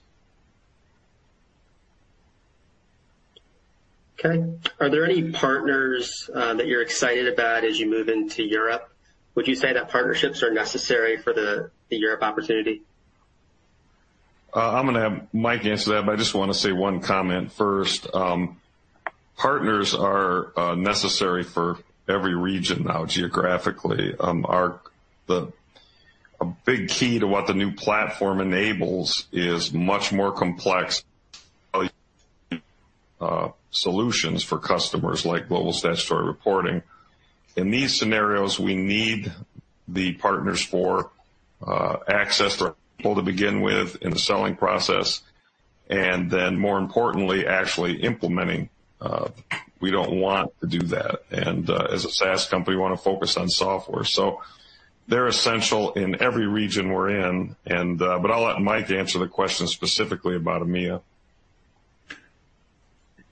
S1: Okay. Are there any partners that you're excited about as you move into Europe? Would you say that partnerships are necessary for the Europe opportunity?
S2: I'm going to have Mike answer that. I just want to say one comment first. Partners are necessary for every region now geographically. A big key to what the new platform enables is much more complex solutions for customers like Global Statutory Reporting. In these scenarios, we need the partners for access to people to begin with in the selling process, then more importantly, actually implementing. We don't want to do that. As a SaaS company, we want to focus on software. They're essential in every region we're in, but I'll let Mike answer the question specifically about EMEA.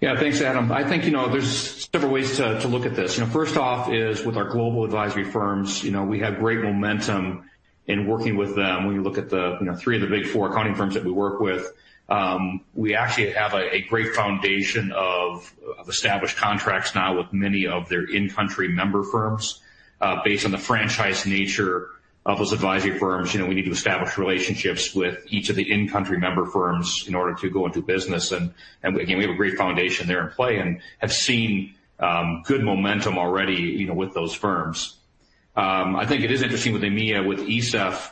S5: Thanks, Adam. I think there's several ways to look at this. First off is with our global advisory firms, we have great momentum in working with them. When you look at the three of the Big Four accounting firms that we work with, we actually have a great foundation of established contracts now with many of their in-country member firms. Based on the franchise nature of those advisory firms, we need to establish relationships with each of the in-country member firms in order to go into business. Again, we have a great foundation there in play and have seen good momentum already with those firms. I think it is interesting with EMEA, with ESEF,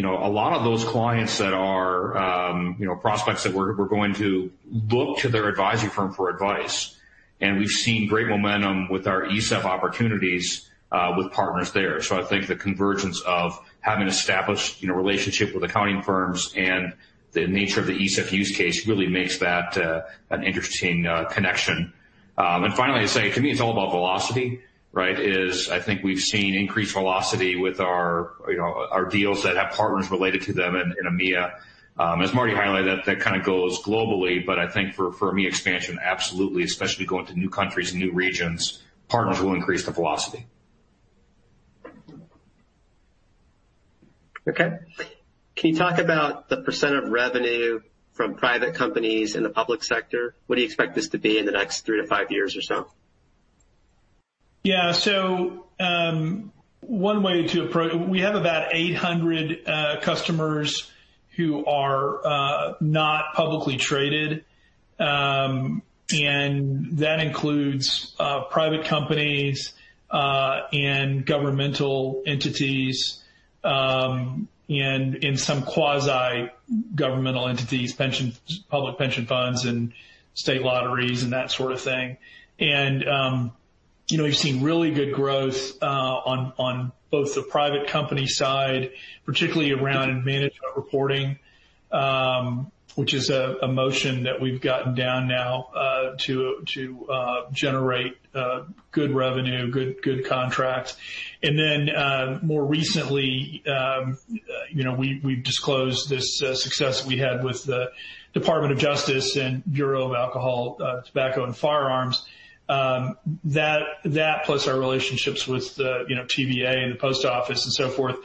S5: a lot of those clients that are prospects that we're going to look to their advisory firm for advice, and we've seen great momentum with our ESEF opportunities with partners there. I think the convergence of having established relationship with accounting firms and the nature of the ESEF use case really makes that an interesting connection. Finally, I say to me, it's all about velocity, right? I think we've seen increased velocity with our deals that have partners related to them in EMEA. As Marty highlighted, that kind of goes globally, but I think for EMEA expansion, absolutely, especially going to new countries and new regions, partners will increase the velocity.
S1: Okay. Can you talk about the percent of revenue from private companies in the public sector? What do you expect this to be in the next three to five years or so?
S4: Yeah. We have about 800 customers who are not publicly traded. That includes private companies, governmental entities, and some quasi-governmental entities, public pension funds and state lotteries and that sort of thing. We've seen really good growth on both the private company side, particularly around Management Reporting, which is a motion that we've gotten down now to generate good revenue, good contracts. More recently, we've disclosed this success that we had with the Department of Justice and Bureau of Alcohol, Tobacco and Firearms. That plus our relationships with the TVA and the post office and so forth,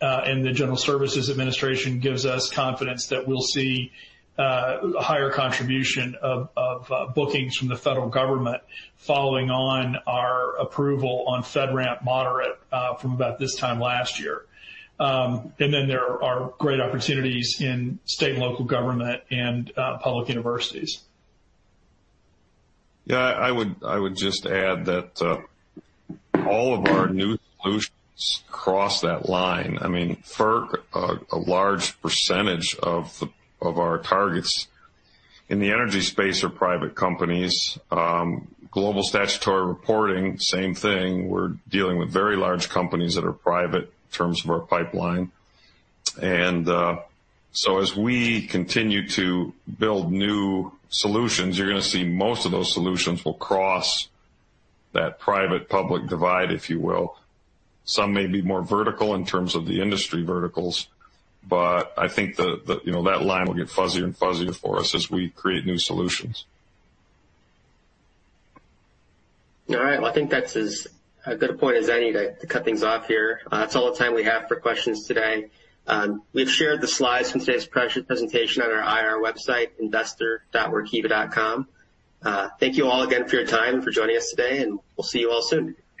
S4: and the General Services Administration gives us confidence that we'll see higher contribution of bookings from the federal government following on our approval on FedRAMP moderate from about this time last year. There are great opportunities in state and local government and public universities.
S2: Yeah, I would just add that all of our new solutions cross that line. FERC, a large percentage of our targets in the energy space are private companies. Global Statutory Reporting, same thing. We're dealing with very large companies that are private in terms of our pipeline. As we continue to build new solutions, you're going to see most of those solutions will cross that private-public divide, if you will. Some may be more vertical in terms of the industry verticals, I think that line will get fuzzier and fuzzier for us as we create new solutions.
S1: All right. Well, I think that's as good a point as any to cut things off here. That's all the time we have for questions today. We've shared the slides from today's presentation on our IR website, investor.workiva.com. Thank you all again for your time, for joining us today, and we'll see you all soon.